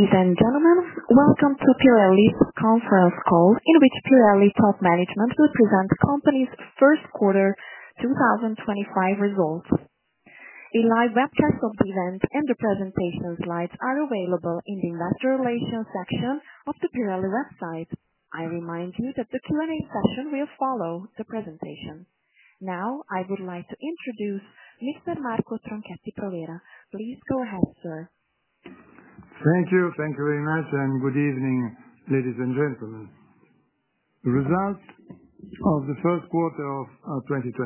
Ladies and gentlemen, welcome to the Pirelli conference call in which Pirelli Top Management will present the company's first quarter 2025 results. A live webcast of the event and the presentation slides are available in the investor relations section of the Pirelli website. I remind you that the Q&A session will follow the presentation. Now, I would like to introduce Mr. Marco Tronchetti Provera. Please go ahead, sir. Thank you. Thank you very much, and good evening, ladies and gentlemen. The results of the first quarter of 2025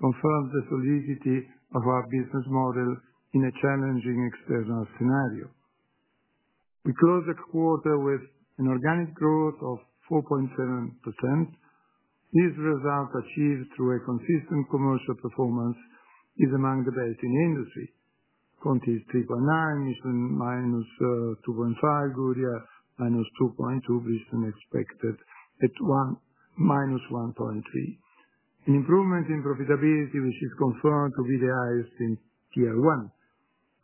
confirm the solidity of our business model in a challenging external scenario. We closed the quarter with an organic growth of 4.7%. These results, achieved through a consistent commercial performance, are among the best in the industry. Continental AG is 3.9%, Michelin -2.5%, Goodyear -2.2%, which is expected at -1.3%. An improvement in profitability, which is confirmed to be the highest in tier one.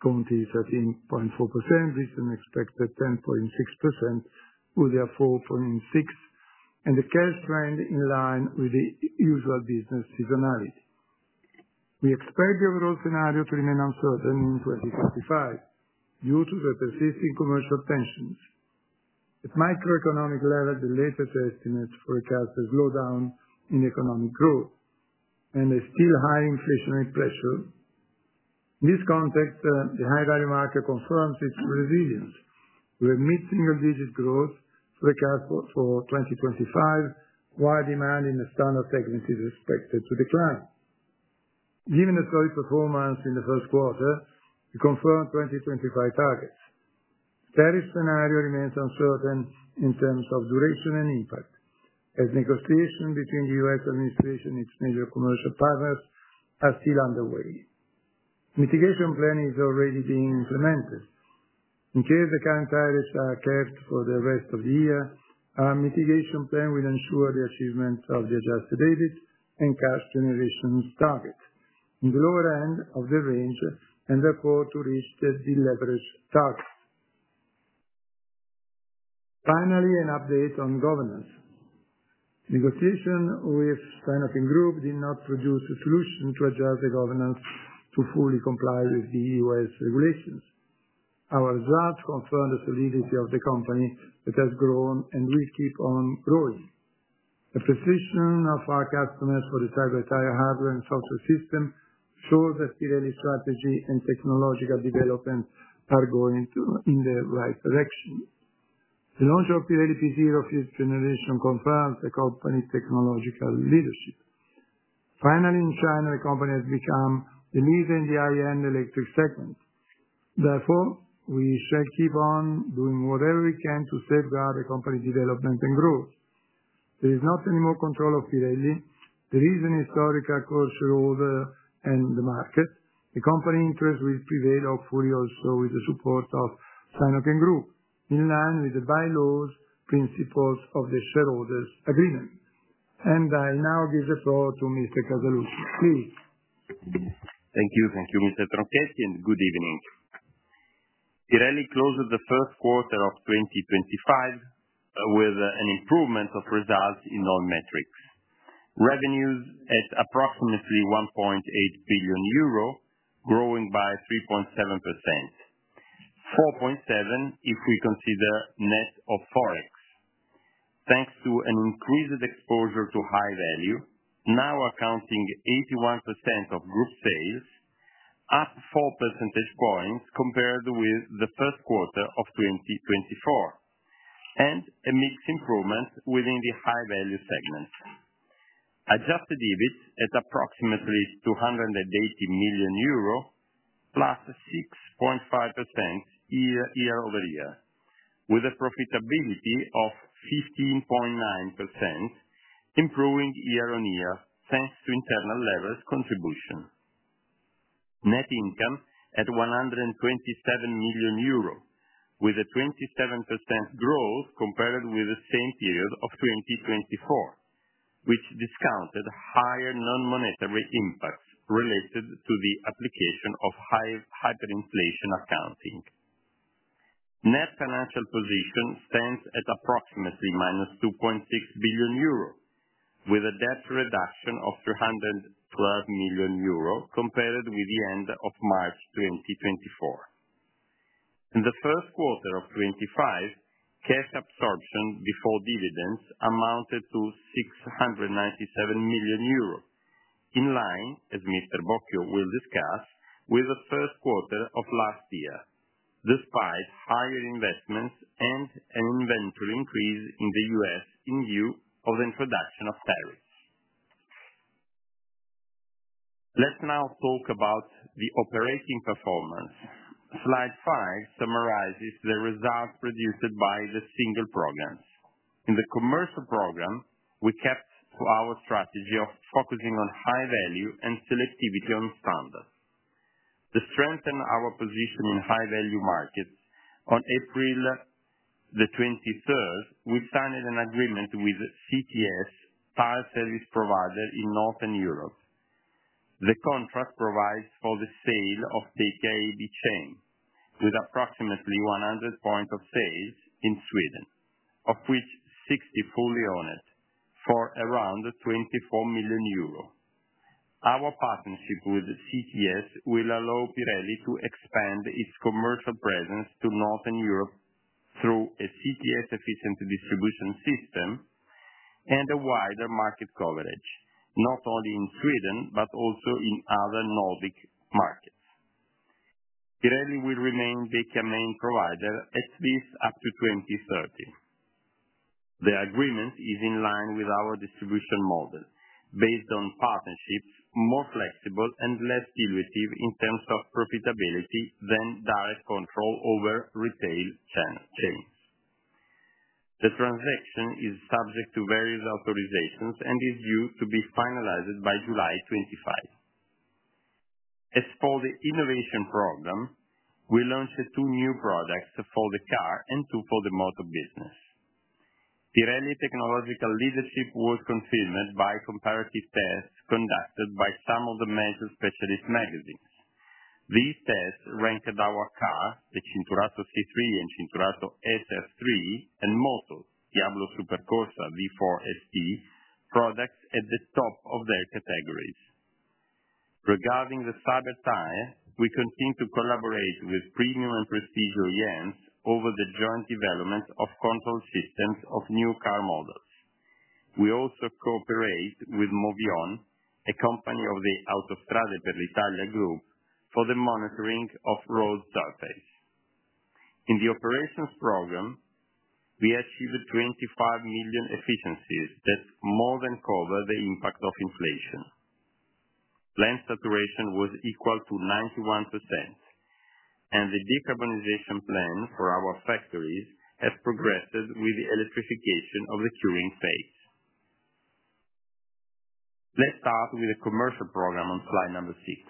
Continental AG is 13.4%, which is expected at 10.6%, Goodyear 4.6%, and the cash trend is in line with the usual business seasonality. We expect the overall scenario to remain uncertain in 2025 due to the persisting commercial tensions. At the macroeconomic level, the latest estimates forecast a slowdown in economic growth and a still high inflationary pressure. In this context, the high-value market confirms its resilience. We've met single-digit growth forecast for 2025, while demand in the standard segment is expected to decline. Given the solid performance in the first quarter, we confirm 2025 targets. The tariff scenario remains uncertain in terms of duration and impact, as negotiations between the U.S. administration and its major commercial partners are still underway. The mitigation plan is already being implemented. In case the current tariffs are kept for the rest of the year, our mitigation plan will ensure the achievement of the adjusted EBIT and cash generation targets in the lower end of the range and therefore to reach the deleveraged target. Finally, an update on governance. The negotiation with the Sinochem group did not produce a solution to adjust the governance to fully comply with the U.S. regulations. Our results confirm the solidity of the company that has grown and will keep on growing. The precision of our customers for the cyber tire hardware and software system shows that Pirelli's strategy and technological developments are going in the right direction. The launch of Pirelli P Zero fuel generation confirms the company's technological leadership. Finally, in China, the company has become the leader in the high-end electric segment. Therefore, we shall keep on doing whatever we can to safeguard the company's development and growth. There is not any more control of Pirelli. There is a historical course rule and the market. The company interests will prevail hopefully also with the support of the sign-off in group, in line with the bylaws principles of the shareholders' agreement. I now give the floor to Mr. Casaluci. Please. Thank you. Thank you, Mr. Tronchetti, and good evening. Pirelli closed the first quarter of 2025 with an improvement of results in all metrics. Revenues at approximately 1.8 billion euro, growing by 3.7%. 4.7% if we consider net of forex, thanks to an increased exposure to high value, now accounting for 81% of group sales, up 4 percentage points compared with the first quarter of 2024, and a mixed improvement within the high-value segment. Adjusted EBIT at approximately 280 million euro, +6.5% year over year, with a profitability of 15.9%, improving year on year thanks to internal levels contribution. Net income at 127 million euros, with a 27% growth compared with the same period of 2024, which discounted higher non-monetary impacts related to the application of hyperinflation accounting. Net financial position stands at approximately -2.6 billion euros, with a debt reduction of +312 million euros compared with the end of March 2024. In the first quarter of 2025, cash absorption before dividends amounted to 697 million euros, in line, as Mr. Bocchio will discuss, with the first quarter of last year, despite higher investments and an inventory increase in the U.S. in view of the introduction of tariffs. Let's now talk about the operating performance. Slide five summarizes the results produced by the single programs. In the commercial program, we kept to our strategy of focusing on high value and selectivity on standards. To strengthen our position in high-value markets, on April 23rd, we signed an agreement with CTS, a tire service provider in Northern Europe. The contract provides for the sale of the KEB chain, with approximately 100 points of sale in Sweden, of which 60 fully owned, for around 24 million euro. Our partnership with CTS will allow Pirelli to expand its commercial presence to Northern Europe through a CTS-efficient distribution system and a wider market coverage, not only in Sweden but also in other Nordic markets. Pirelli will remain their main provider at least up to 2030. The agreement is in line with our distribution model, based on partnerships more flexible and less dilutive in terms of profitability than direct control over retail chains. The transaction is subject to various authorizations and is due to be finalized by July 25. As for the innovation program, we launched two new products for the car and two for the motor business. Pirelli technological leadership was confirmed by comparative tests conducted by some of the major specialist magazines. These tests ranked our car, the Cinturato C3 and Cinturato SF3, and motors, Diablo Supercorsa V4 ST, products at the top of their categories. Regarding the Cyber Tire, we continue to collaborate with Premium and Prestige Orient over the joint development of control systems of new car models. We also cooperate with Movion, a company of the Autostrade per l'Italia group, for the monitoring of road surface. In the operations program, we achieved 25 million efficiencies that more than cover the impact of inflation. Land saturation was equal to 91%, and the decarbonization plan for our factories has progressed with the electrification of the curing phase. Let's start with the commercial program on slide number six.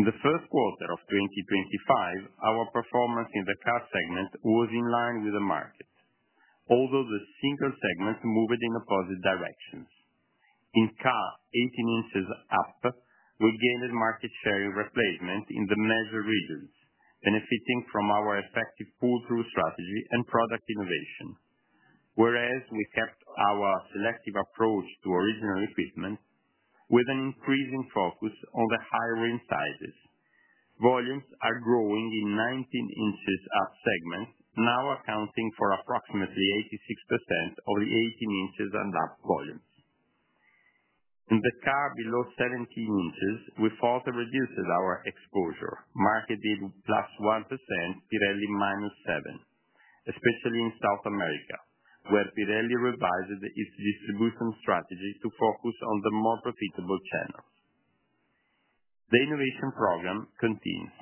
In the first quarter of 2025, our performance in the car segment was in line with the market, although the single segment moved in opposite directions. In car 18 in up, we gained market share in replacement in the major regions, benefiting from our effective pull-through strategy and product innovation, whereas we kept our selective approach to original equipment with an increasing focus on the higher-in sizes. Volumes are growing in 19 in up segments, now accounting for approximately 86% of the 18 in and up volumes. In the car below 17 in, we further reduced our exposure, market +1%, Pirelli +7%, especially in South America, where Pirelli revised its distribution strategy to focus on the more profitable channels. The innovation program continues,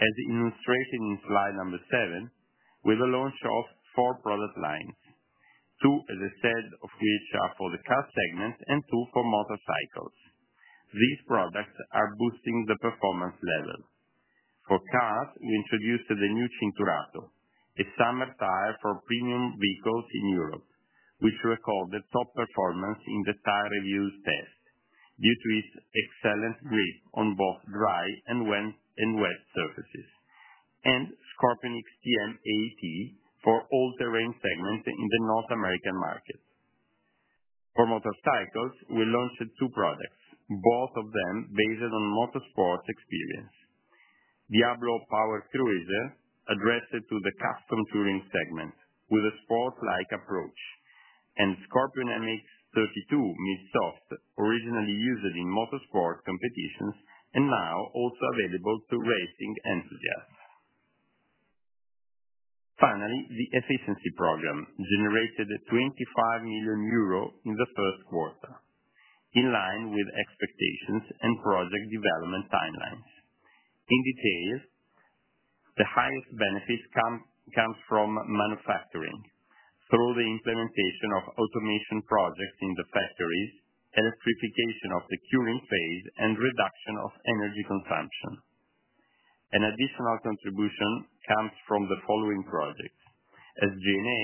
as illustrated in slide number seven, with a launch of four product lines, two, as I said, of which are for the car segment and two for motorcycles. These products are boosting the performance level. For cars, we introduced the new Cinturato, a summer tire for premium vehicles in Europe, which recorded top performance in the tire reviews test due to its excellent grip on both dry and wet surfaces, and Scorpion XTM AT for all-terrain segment in the North American market. For motorcycles, we launched two products, both of them based on motorsports experience. Diablo Power Cruiser addressed to the custom touring segment with a sport-like approach, and Scorpion MX-32, mid-soft, originally used in motorsport competitions and now also available to racing enthusiasts. Finally, the efficiency program generated 25 million euro in the first quarter, in line with expectations and project development timelines. In detail, the highest benefit comes from manufacturing through the implementation of automation projects in the factories, electrification of the curing phase, and reduction of energy consumption. An additional contribution comes from the following projects: SG&A,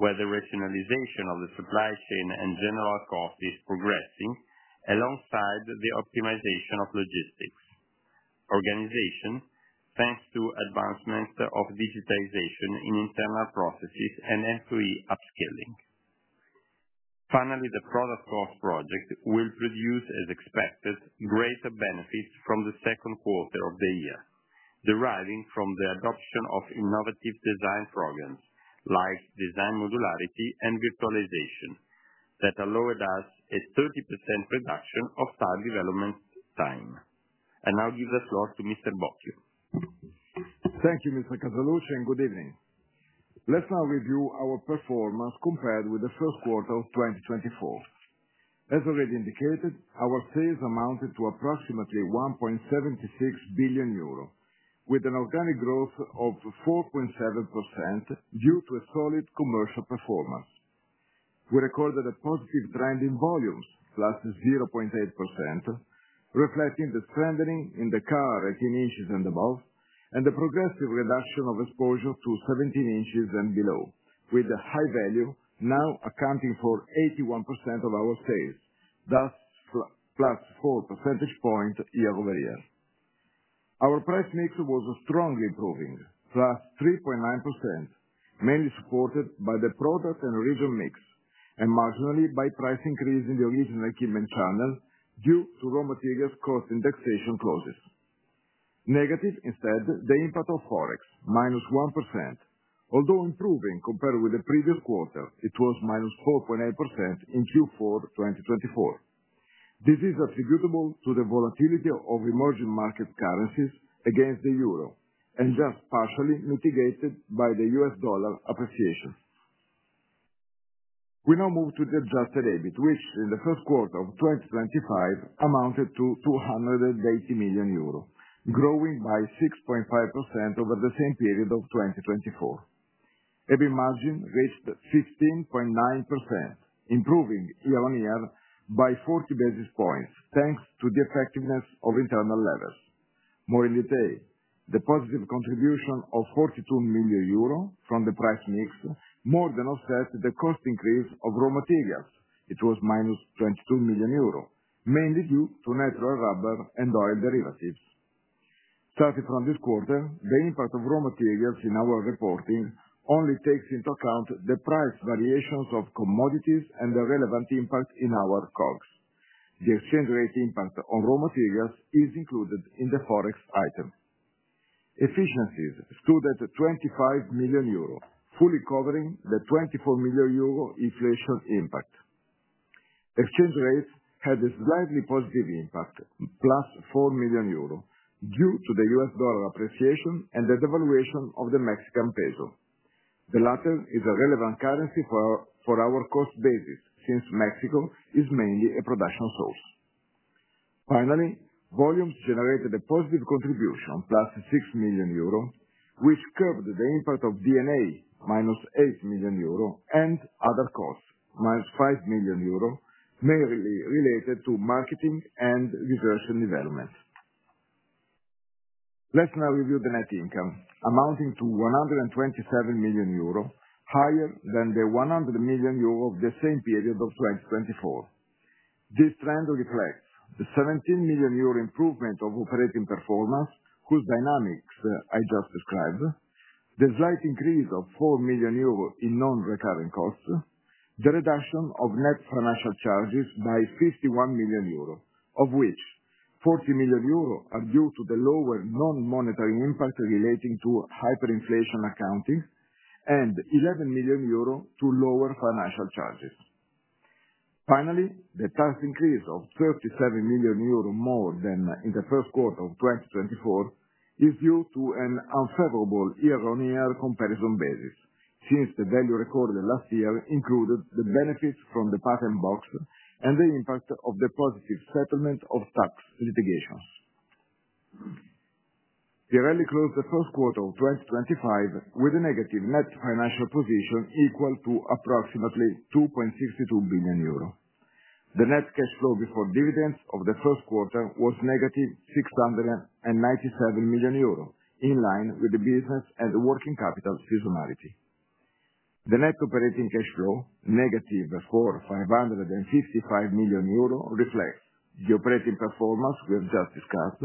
where the rationalization of the supply chain and general cost is progressing, alongside the optimization of logistics organization, thanks to advancements of digitization in internal processes and employee upskilling. Finally, the product cost project will produce, as expected, greater benefits from the second quarter of the year, deriving from the adoption of innovative design programs like design modularity and virtualization that allowed us a 30% reduction of tire development time. I will give the floor to Mr. Bocchio. Thank you, Mr. Casaluci, and good evening. Let's now review our performance compared with the first quarter of 2024. As already indicated, our sales amounted to approximately 1.76 billion euro, with an organic growth of 4.7% due to a solid commercial performance. We recorded a positive trend in volumes, +0.8%, reflecting the strengthening in the car 18 in and above, and the progressive reduction of exposure to 17 in and below, with the high value now accounting for 81% of our sales, thus plus four percentage points year over year. Our price mix was strongly improving, +3.9%, mainly supported by the product and original mix, and marginally by price increase in the original equipment channel due to raw materials cost indexation closes. Negative, instead, the impact of forex, -1%, although improving compared with the previous quarter. It was -4.8% in Q4 2024. This is attributable to the volatility of emerging market currencies against the euro, and just partially mitigated by the US dollar appreciation. We now move to the adjusted EBIT, which in the first quarter of 2025 amounted to 280 million euro, growing by 6.5% over the same period of 2024. EBIT margin reached 15.9%, improving year on year by 40 basis points, thanks to the effectiveness of internal levels. More in detail, the positive contribution of 42 million euro from the price mix more than offsets the cost increase of raw materials. It was -22 million euro, mainly due to natural rubber and oil derivatives. Starting from this quarter, the impact of raw materials in our reporting only takes into account the price variations of commodities and the relevant impact in our COGS. The exchange rate impact on raw materials is included in the forex item. Efficiencies stood at 25 million euro, fully covering the 24 million euro inflation impact. Exchange rates had a slightly positive impact, -4 million euro, due to the US dollar appreciation and the devaluation of the Mexican peso. The latter is a relevant currency for our cost basis since Mexico is mainly a production source. Finally, volumes generated a positive contribution, -6 million euro, which curbed the impact of DNA, -8 million euro, and other costs, -5 million euro, mainly related to marketing and research and development. Let's now review the net income, amounting to 127 million euro, higher than the 100 million euro of the same period of 2024. This trend reflects the 17 million euro improvement of operating performance, whose dynamics I just described, the slight increase of 4 million euros in non-recurring costs, the reduction of net financial charges by 51 million euros, of which 40 million euros are due to the lower non-monetary impact relating to hyperinflation accounting, and 11 million euro to lower financial charges. Finally, the tax increase of 37 million euro more than in the first quarter of 2024 is due to an unfavorable year-on-year comparison basis, since the value recorded last year included the benefits from the patent box and the impact of the positive settlement of tax litigations. Pirelli closed the first quarter of 2025 with a negative net financial position equal to approximately 2.62 billion euro. The net cash flow before dividends of the first quarter was -697 million euro, in line with the business and working capital seasonality. The net operating cash flow, -455 million euro, reflects the operating performance we have just discussed,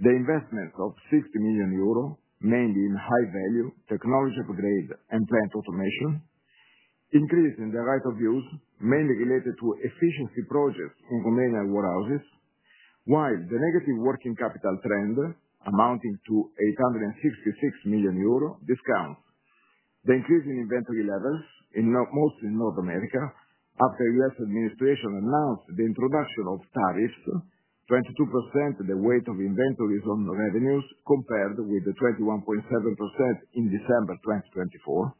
the investment of 60 million euro, mainly in high value, technology upgrade, and plant automation, increasing the right of use, mainly related to efficiency projects in Romanian warehouses, while the negative working capital trend, amounting to 866 million euro, discounts the increase in inventory levels, mostly in North America, after the U.S. administration announced the introduction of tariffs, 22% the weight of inventories on revenues compared with the 21.7% in December 2024,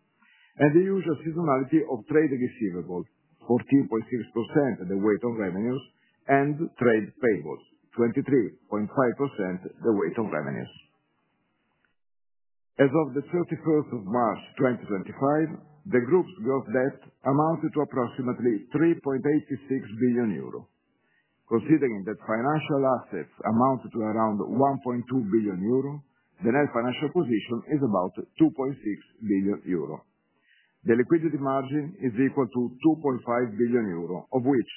and the usual seasonality of trade receivables, 14.6% the weight of revenues, and trade payables, 23.5% the weight of revenues. As of the 31st of March 2025, the group's gross debt amounted to approximately 3.86 billion euro. Considering that financial assets amount to around 1.2 billion euro, the net financial position is about 2.6 billion euro. The liquidity margin is equal to 2.5 billion euro, of which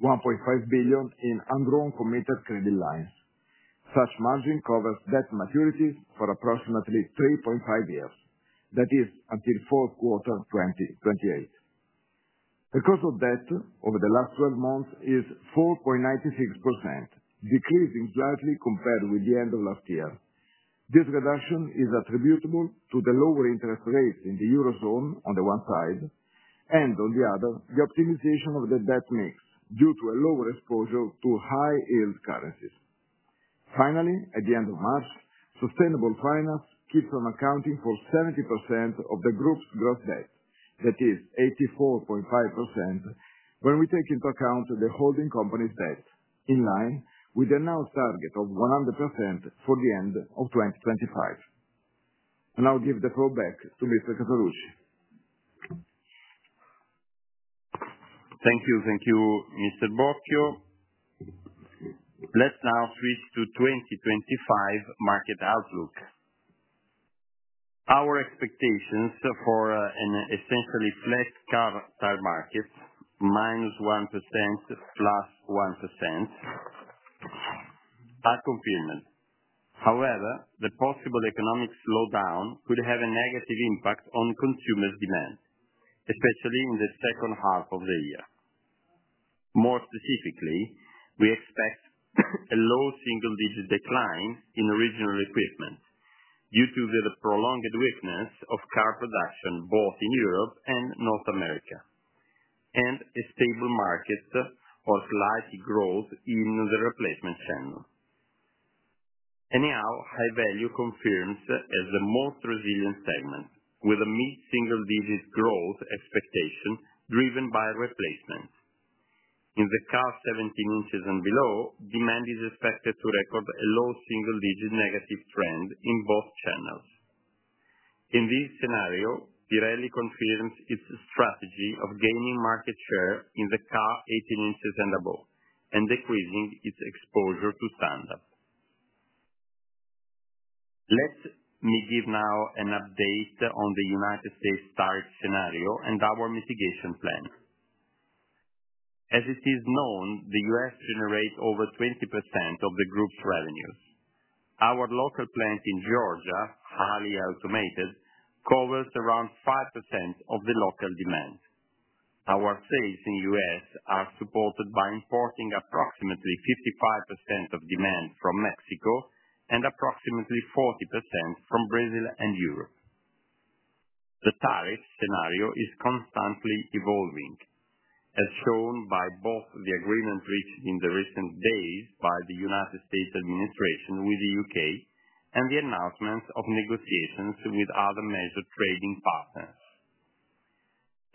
1.5 billion in unwrong committed credit lines. Such margin covers debt maturities for approximately three point five years, that is, until fourth quarter 2028. The cost of debt over the last 12 months is 4.96%, decreasing slightly compared with the end of last year. This reduction is attributable to the lower interest rates in the eurozone on the one side, and on the other, the optimization of the debt mix due to a lower exposure to high-yield currencies. Finally, at the end of March, sustainable finance keeps on accounting for 70% of the group's gross debt, that is, 84.5% when we take into account the holding company's debt, in line with the announced target of 100% for the end of 2025. I will give the floor back to Mr. Casaluci. Thank you. Thank you, Mr. Bocchio. Let's now switch to 2025 market outlook. Our expectations for an essentially flat car tire market, -1% to +1%, are confirmed. However, the possible economic slowdown could have a negative impact on consumer demand, especially in the second half of the year. More specifically, we expect a low single-digit decline in original equipment due to the prolonged weakness of car production both in Europe and North America, and a stable market or slight growth in the replacement channel. Anyhow, high value confirms as the most resilient segment, with a mid-single-digit growth expectation driven by replacement. In the car 17 in and below, demand is expected to record a low single-digit negative trend in both channels. In this scenario, Pirelli confirms its strategy of gaining market share in the car 18 in and above and decreasing its exposure to standard. Let me give now an update on the U.S. tariff scenario and our mitigation plan. As it is known, the U.S. generates over 20% of the group's revenues. Our local plant in Georgia, highly automated, covers around 5% of the local demand. Our sales in the U.S. are supported by importing approximately 55% of demand from Mexico and approximately 40% from Brazil and Europe. The tariff scenario is constantly evolving, as shown by both the agreement reached in the recent days by the U.S. administration with the U.K. and the announcements of negotiations with other major trading partners.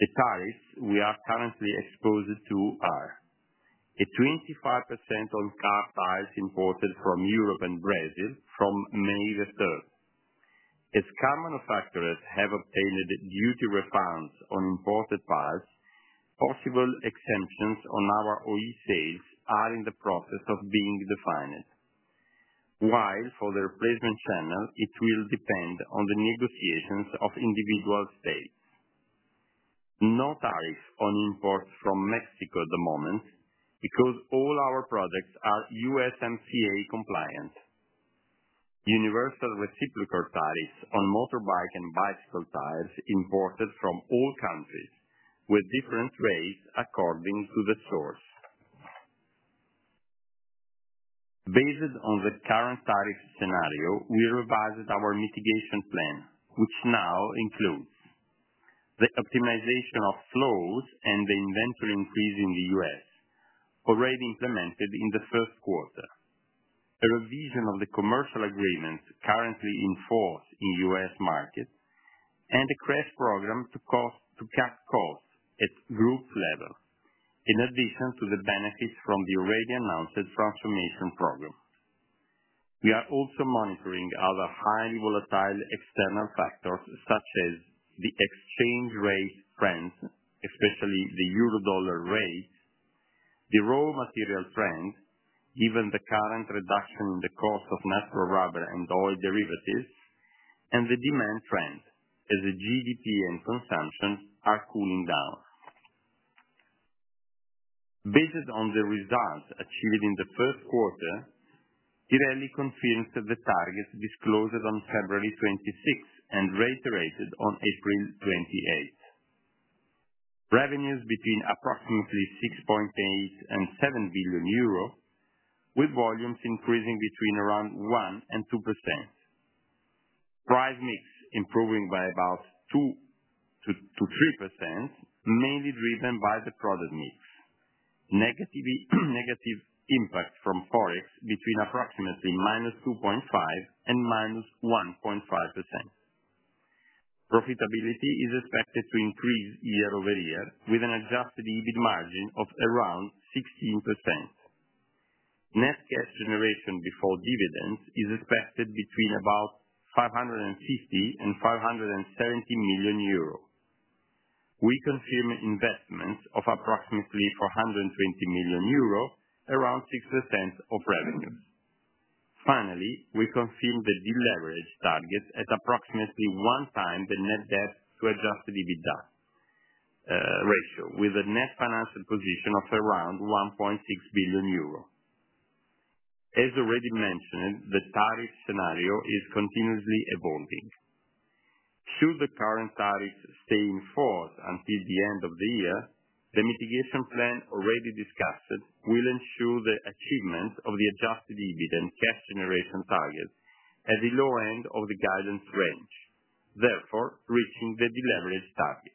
The tariffs we are currently exposed to are a 25% on car tires imported from Europe and Brazil from May the 3rd. As car manufacturers have obtained duty refunds on imported parts, possible exemptions on our OE sales are in the process of being defined, while for the replacement channel, it will depend on the negotiations of individual states. No tariffs on imports from Mexico at the moment because all our products are USMCA compliant. Universal reciprocal tariffs on motorbike and bicycle tires imported from all countries with different rates according to the source. Based on the current tariff scenario, we revised our mitigation plan, which now includes the optimization of flows and the inventory increase in the U.S., already implemented in the first quarter, a revision of the commercial agreements currently in force in the U.S. market, and a crash program to cap costs at group level, in addition to the benefits from the already announced transformation program. We are also monitoring other highly volatile external factors such as the exchange rate trend, especially the EUR/USD rate, the raw material trend, given the current reduction in the cost of natural rubber and oil derivatives, and the demand trend, as GDP and consumption are cooling down. Based on the results achieved in the first quarter, Pirelli confirmed the targets disclosed on February 26th and reiterated on April 28th. Revenues between approximately 6.8 billion and 7 billion euros, with volumes increasing between around 1% and 2%. Price mix improving by about 2%-3%, mainly driven by the product mix. Negative impact from forex between approximately -2.5% and -1.5%. Profitability is expected to increase year over year, with an adjusted EBIT margin of around 16%. Net cash generation before dividends is expected between about 550 million and 570 million euros. We confirm investments of approximately 420 million euros, around 6% of revenues. Finally, we confirm the deleveraged target at approximately one time the net debt to adjusted EBIT ratio, with a net financial position of around 1.6 billion euro. As already mentioned, the tariff scenario is continuously evolving. Should the current tariffs stay in force until the end of the year, the mitigation plan already discussed will ensure the achievement of the adjusted EBIT and cash generation target at the low end of the guidance range, therefore reaching the deleveraged target.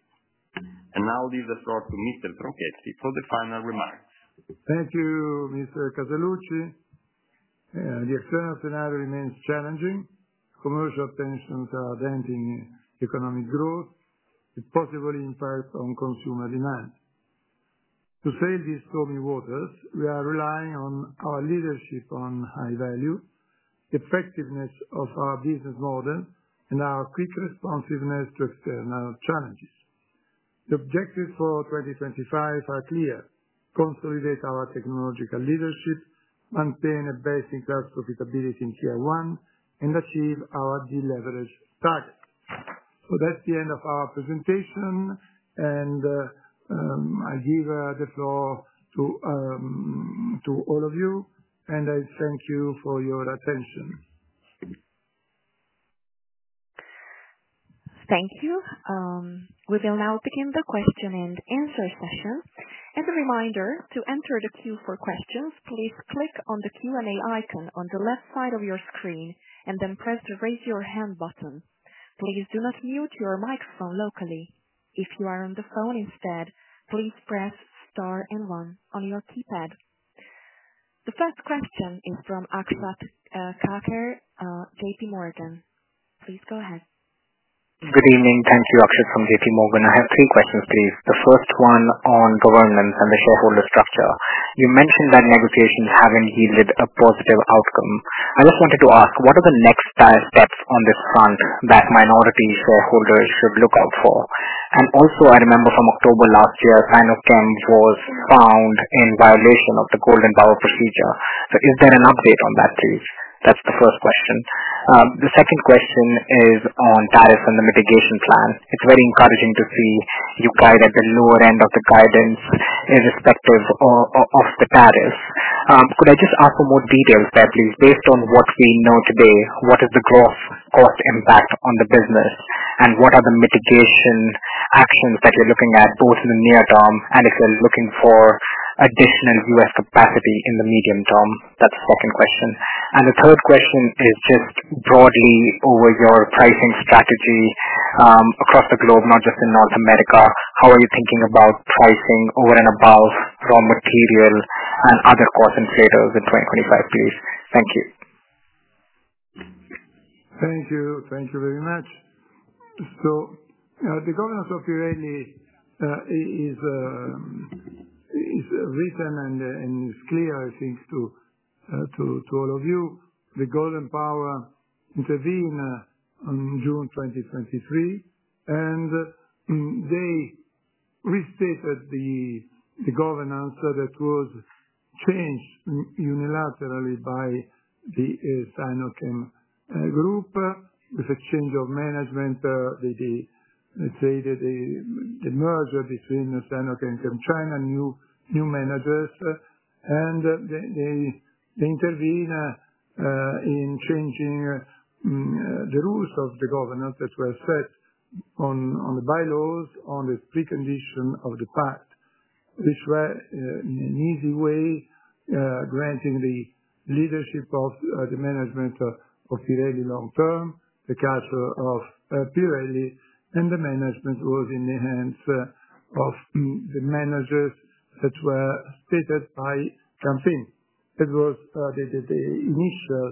I will leave the floor to Mr. Tronchetti for the final remarks. Thank you, Mr. Casaluci. The external scenario remains challenging. Commercial tensions are denting economic growth, possibly impacting consumer demand. To sail these stormy waters, we are relying on our leadership on high value, the effectiveness of our business model, and our quick responsiveness to external challenges. The objectives for 2025 are clear: consolidate our technological leadership, maintain a basic growth profitability in tier one, and achieve our deleveraged target. That is the end of our presentation, and I give the floor to all of you, and I thank you for your attention. Thank you. We will now begin the question and answer session. As a reminder, to enter the queue for questions, please click on the Q&A icon on the left side of your screen and then press the raise your hand button. Please do not mute your microphone locally. If you are on the phone instead, please press star and one on your keypad. The first question is from Akshat Kacker, JPMorgan. Please go ahead. Good evening. Thank you, Akshat from JPMorgan. I have three questions, please. The first one on governance and the shareholder structure. You mentioned that negotiations have not yielded a positive outcome. I just wanted to ask, what are the next steps on this front that minority shareholders should look out for? Also, I remember from October last year, Sinochem was found in violation of the Golden Power procedure. Is there an update on that, please? That is the first question. The second question is on tariffs and the mitigation plan. It is very encouraging to see you guide at the lower end of the guidance irrespective of the tariffs. Could I just ask for more details there, please? Based on what we know today, what is the gross cost impact on the business, and what are the mitigation actions that you're looking at both in the near term and if you're looking for additional U.S. capacity in the medium term? That's the second question. The third question is just broadly over your pricing strategy across the globe, not just in North America. How are you thinking about pricing over and above raw material and other cost inflators in 2025, please? Thank you. Thank you. Thank you very much. The governance of Pirelli is written and is clear, I think, to all of you. The Golden Power intervened in June 2023, and they restated the governance that was changed unilaterally by the Sinochem group with a change of management. Let's say the merger between Sinochem and China knew new managers, and they intervened in changing the rules of the governance that were set on the bylaws, on the precondition of the pact, which were in an easy way granting the leadership of the management of Pirelli long term, the culture of Pirelli, and the management was in the hands of the managers that were stated by Camfin. It was the initial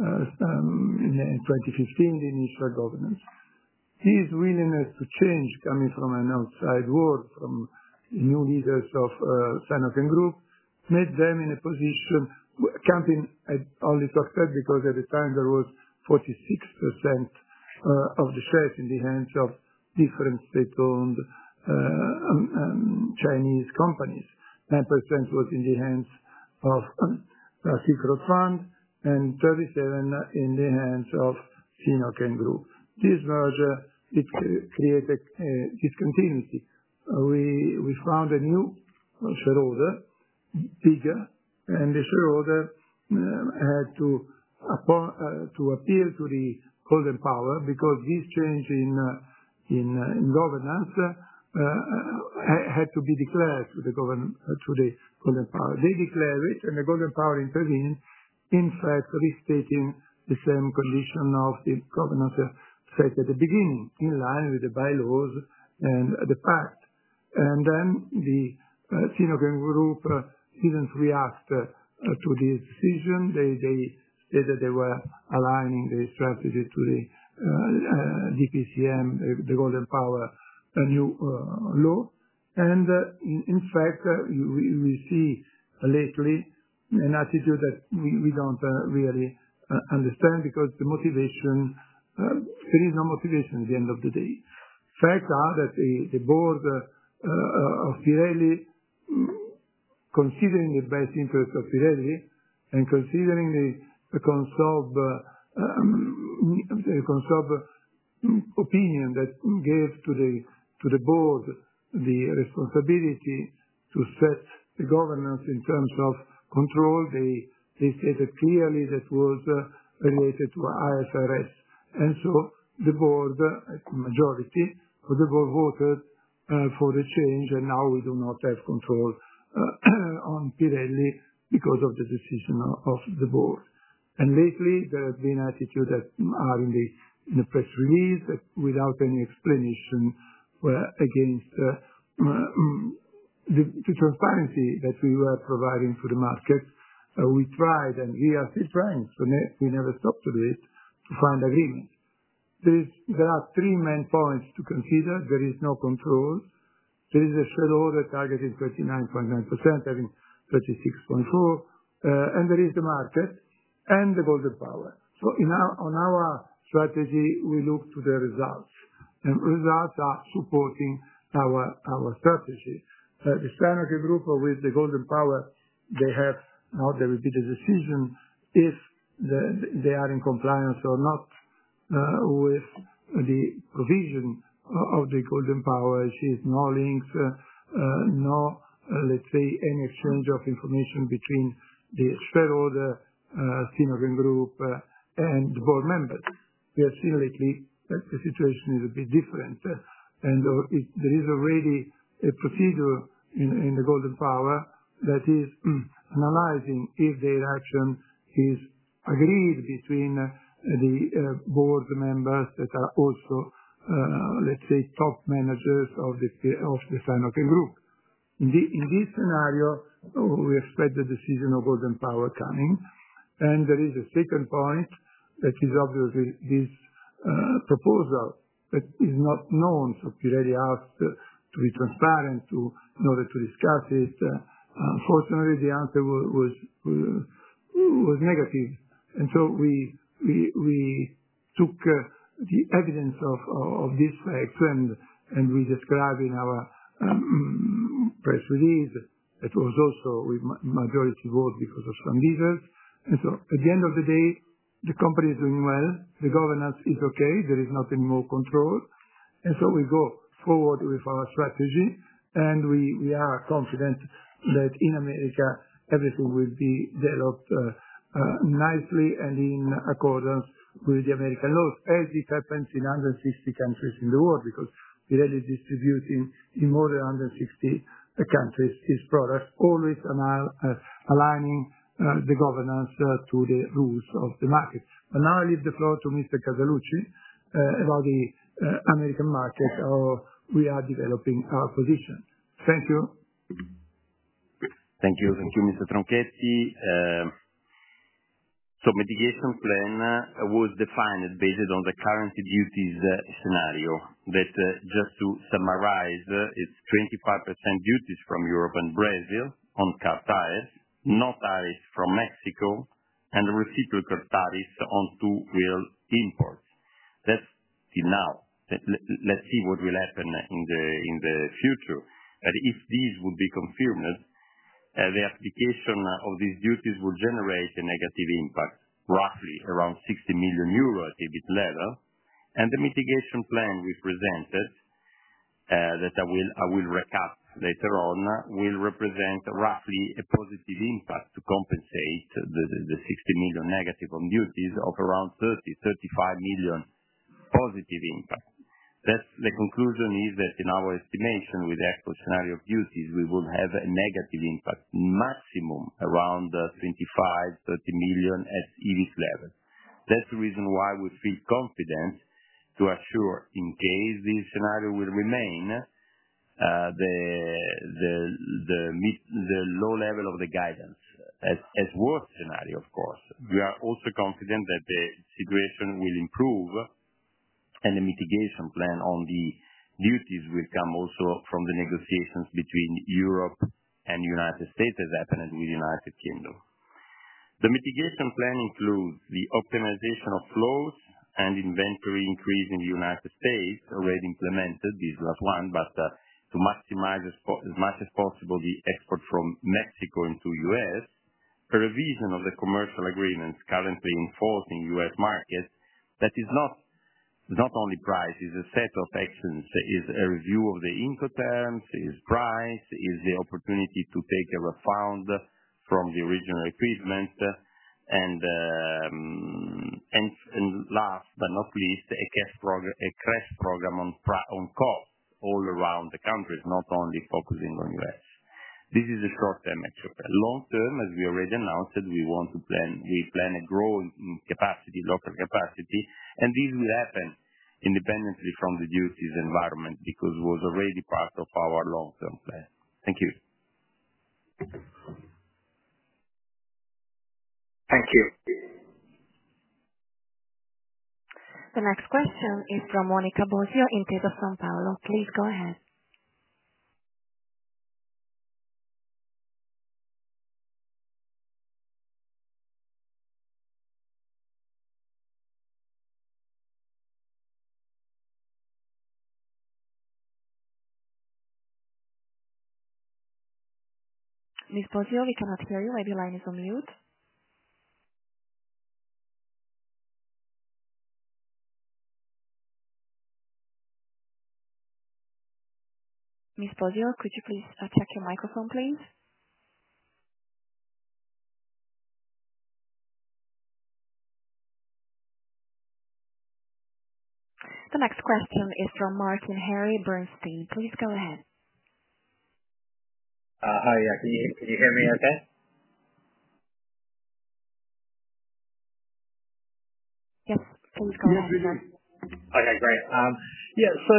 in 2015, the initial governance. His willingness to change coming from an outside world, from new leaders of Sinochem Group, made them in a position Campin only succeeded because at the time there was 46% of the shares in the hands of different state-owned Chinese companies. 9% was in the hands of Silk Road Fund and 37% in the hands of Sinochem Group. This merger created discontinuity. We found a new shareholder, bigger, and the shareholder had to appeal to the Golden Power because this change in governance had to be declared to the Golden Power. They declared it, and the Golden Power intervened, in fact, restating the same condition of the governance set at the beginning, in line with the bylaws and the pact. The Sinochem Group did not react to this decision. They stated they were aligning their strategy to the DPCM, the Golden Power new law. In fact, we see lately an attitude that we do not really understand because the motivation, there is no motivation at the end of the day. Facts are that the board of Pirelli, considering the best interest of Pirelli and considering the consult opinion that gave to the board the responsibility to set the governance in terms of control, they stated clearly that was related to IFRS. The board, the majority of the board, voted for the change, and now we do not have control on Pirelli because of the decision of the board. Lately, there have been attitudes that are in the press release without any explanation against the transparency that we were providing for the market. We tried, and we are still trying, so we never stopped to do it, to find agreement. There are three main points to consider. There is no control. There is a shareholder targeting 39.9%, having 36.4%, and there is the market and the Golden Power. On our strategy, we look to the results, and results are supporting our strategy. The Sinochem Group with the Golden Power, they have now, there will be the decision if they are in compliance or not with the provision of the Golden Power. She has no links, no, let's say, any exchange of information between the shareholder, Sinochem Group, and the board members. We have seen lately that the situation is a bit different, and there is already a procedure in the Golden Power that is analyzing if their action is agreed between the board members that are also, let's say, top managers of the Sinochem Group. In this scenario, we expect the decision of Golden Power coming, and there is a second point that is obviously this proposal that is not known. So Pirelli asked to be transparent in order to discuss it. Unfortunately, the answer was negative. We took the evidence of this fact, and we described in our press release that was also with majority vote because of some reasons. At the end of the day, the company is doing well. The governance is okay. There is not any more control. We go forward with our strategy, and we are confident that in America, everything will be developed nicely and in accordance with the American laws. As it happens in 160 countries in the world because Pirelli is distributing in more than 160 countries its products, always aligning the governance to the rules of the market. Now I leave the floor to Mr. Casaluci about the American market, how we are developing our position. Thank you. Thank you. Thank you, Mr. Tronchetti. The mitigation plan was defined based on the current duties scenario. Just to summarize, it is 25% duties from Europe and Brazil on car tariffs, no tariffs from Mexico, and reciprocal tariffs on two-wheel imports. That is till now. Let's see what will happen in the future. If these would be confirmed, the application of these duties will generate a negative impact, roughly around 60 million euros at the EBIT level. The mitigation plan we presented, that I will recap later on, will represent roughly a positive impact to compensate the 60 million negative on duties of around 30-35 million positive impact. That is the conclusion that in our estimation, with the actual scenario of duties, we will have a negative impact maximum around 25-30 million at EBIT level. That's the reason why we feel confident to assure in case this scenario will remain, the low level of the guidance, as worst scenario, of course. We are also confident that the situation will improve, and the mitigation plan on the duties will come also from the negotiations between Europe and the United States, as happened with the United Kingdom. The mitigation plan includes the optimization of flows and inventory increase in the United States, already implemented, this last one, but to maximize as much as possible the export from Mexico into the US, a revision of the commercial agreements currently in force in US markets that is not only price, it's a set of actions. It's a review of the Incoterms, it's price, it's the opportunity to take a refund from the original equipment, and last but not least, a cash program on costs all around the countries, not only focusing on the U.S. This is a short-term exchange. Long-term, as we already announced, we plan a growing capacity, local capacity, and this will happen independently from the duties environment because it was already part of our long-term plan. Thank you. Thank you. The next question is from Monica Bosio in Intesa Sanpaolo. Please go ahead. Ms. Bosio, we cannot hear you. Maybe your line is on mute. Ms. Bosio, could you please check your microphone, please? The next question is from Martin Harry Bernstein. Please go ahead. Hi. Can you hear me okay? Yes. Please go ahead. Okay. Great. Yeah.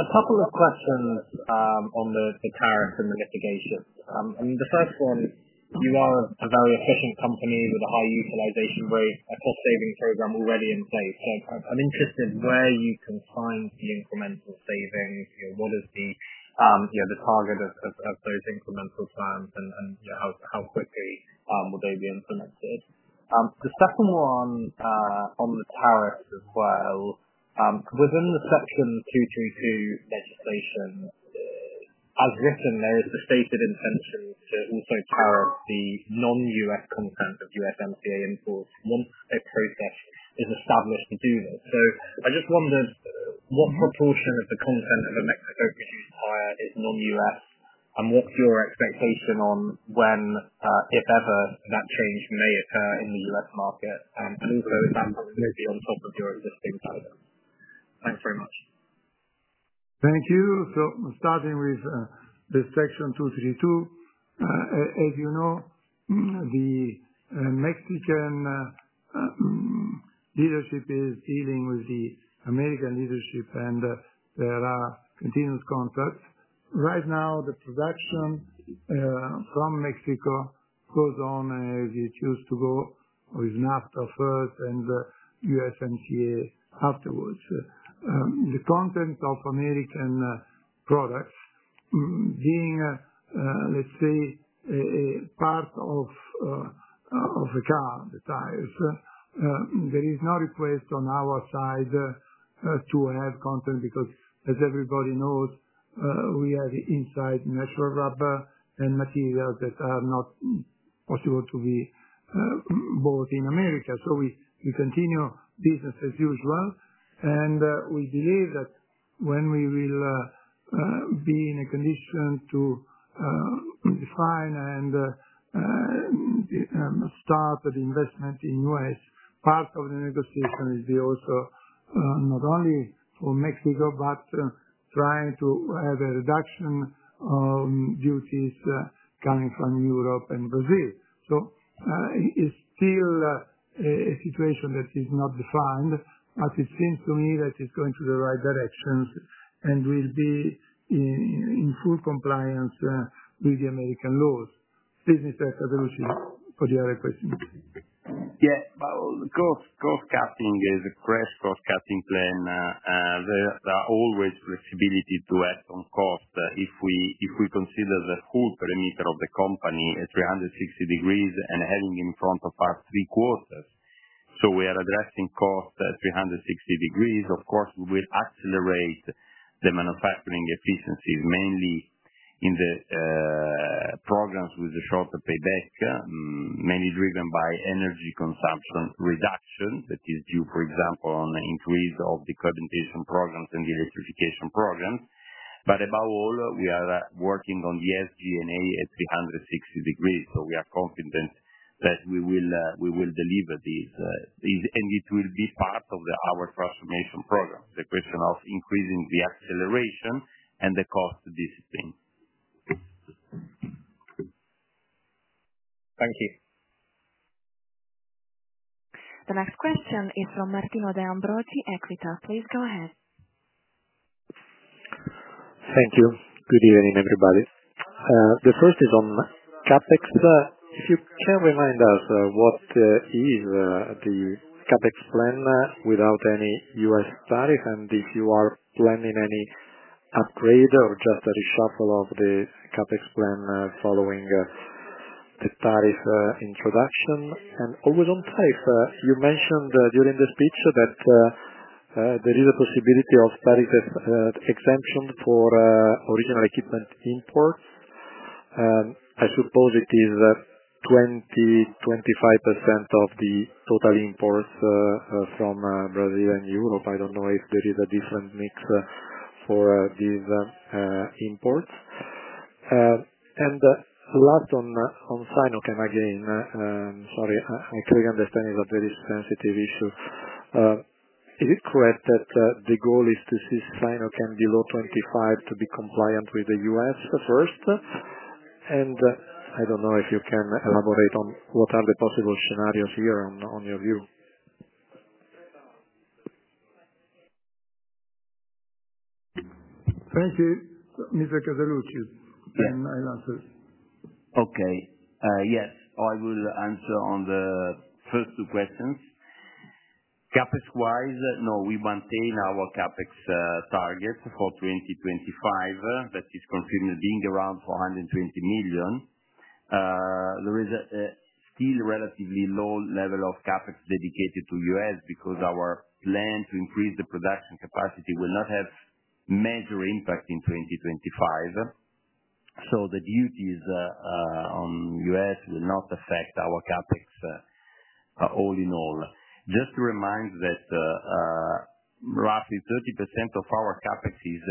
A couple of questions on the tariffs and the mitigation. The first one, you are a very efficient company with a high utilization rate, a cost-saving program already in place. I'm interested where you can find the incremental savings, what is the target of those incremental plans, and how quickly will they be implemented? The second one on the tariffs as well, within the Section 232 legislation, as written, there is the stated intention to also tariff the non-U.S. content of USMCA imports once a process is established to do this. I just wondered, what proportion of the content of a Mexico-produced tire is non-U.S., and what's your expectation on when, if ever, that change may occur in the U.S. market, and also if that's going to be on top of your existing guidance? Thanks very much. Thank you. Starting with the Section 232, as you know, the Mexican leadership is dealing with the American leadership, and there are continuous contacts. Right now, the production from Mexico goes on as it used to go with NAFTA first and USMCA afterwards. The content of American products being, let's say, part of a car, the tires, there is no request on our side to have content because, as everybody knows, we have inside natural rubber and materials that are not possible to be bought in America. We continue business as usual, and we believe that when we will be in a condition to define and start the investment in the U.S., part of the negotiation will be also not only for Mexico, but trying to have a reduction of duties coming from Europe and Brazil. It's still a situation that is not defined, but it seems to me that it's going in the right direction and will be in full compliance with American laws. Please, Mr. Casaluci, for your requesting. Yeah. Cost-cutting is a fresh cost-cutting plan. There is always flexibility to act on cost if we consider the full perimeter of the company at 360 degrees and having in front of us three quarters. We are addressing costs at 360 degrees. Of course, we will accelerate the manufacturing efficiencies, mainly in the programs with the shorter payback, mainly driven by energy consumption reduction that is due, for example, to the increase of the carbonization programs and the electrification programs. Above all, we are working on the SG&A at 360 degrees. We are confident that we will deliver these, and it will be part of our transformation program, the question of increasing the acceleration and the cost discipline. Thank you. The next question is from Martino De Ambroggi, Equita. Please go ahead. Thank you. Good evening, everybody. The first is on CapEx. If you can remind us what is the CapEx plan without any U.S. tariff, and if you are planning any upgrade or just a reshuffle of the CapEx plan following the tariff introduction. Always on tariff, you mentioned during the speech that there is a possibility of tariff exemption for original equipment imports. I suppose it is 20%-25% of the total imports from Brazil and Europe. I do not know if there is a different mix for these imports. Last on Sinochem again, sorry, I clearly understand it is a very sensitive issue. Is it correct that the goal is to see Sinochem below 25% to be compliant with the U.S. first? I do not know if you can elaborate on what are the possible scenarios here on your view. Thank you. Mr. Casaluci, can I answer? Okay. Yes. I will answer on the first two questions. CapEx-wise, no, we maintain our CapEx target for 2025 that is confirmed being around 420 million. There is still a relatively low level of CapEx dedicated to US because our plan to increase the production capacity will not have major impact in 2025. The duties on US will not affect our CapEx all in all. Just to remind that roughly 30% of our CapEx is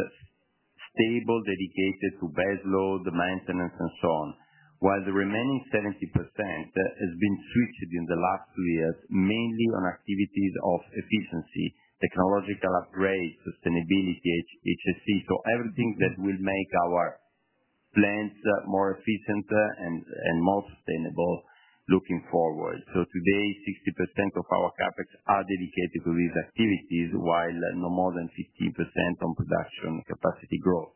stable, dedicated to baseload, maintenance, and so on, while the remaining 70% has been switched in the last two years mainly on activities of efficiency, technological upgrades, sustainability, HSE. Everything that will make our plants more efficient and more sustainable looking forward. Today, 60% of our CapEx are dedicated to these activities, while no more than 15% on production capacity growth.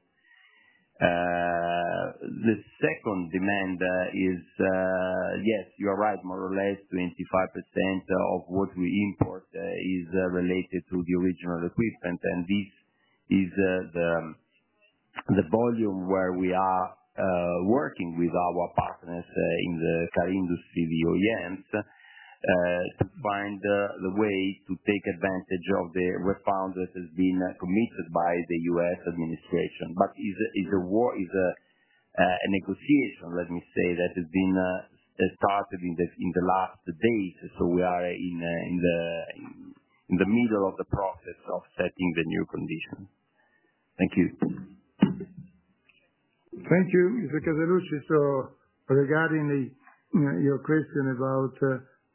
The second demand is, yes, you're right, more or less 25% of what we import is related to the original equipment, and this is the volume where we are working with our partners in the car industry, the OEMs, to find the way to take advantage of the refund that has been committed by the U.S. administration. It is a negotiation, let me say, that has been started in the last days. We are in the middle of the process of setting the new conditions. Thank you. Thank you, Mr. Casaluci. Regarding your question about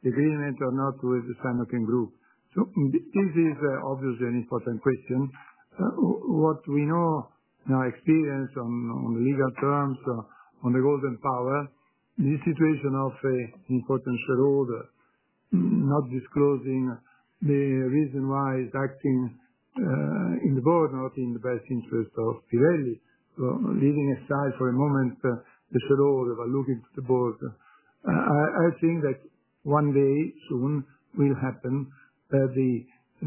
the agreement or not with the Sinochem group, this is obviously an important question. What we know in our experience on legal terms on the Golden Power, the situation of an important shareholder not disclosing the reason why he's acting in the board or not in the best interest of Pirelli, leaving aside for a moment the shareholder while looking to the board. I think that one day soon will happen that the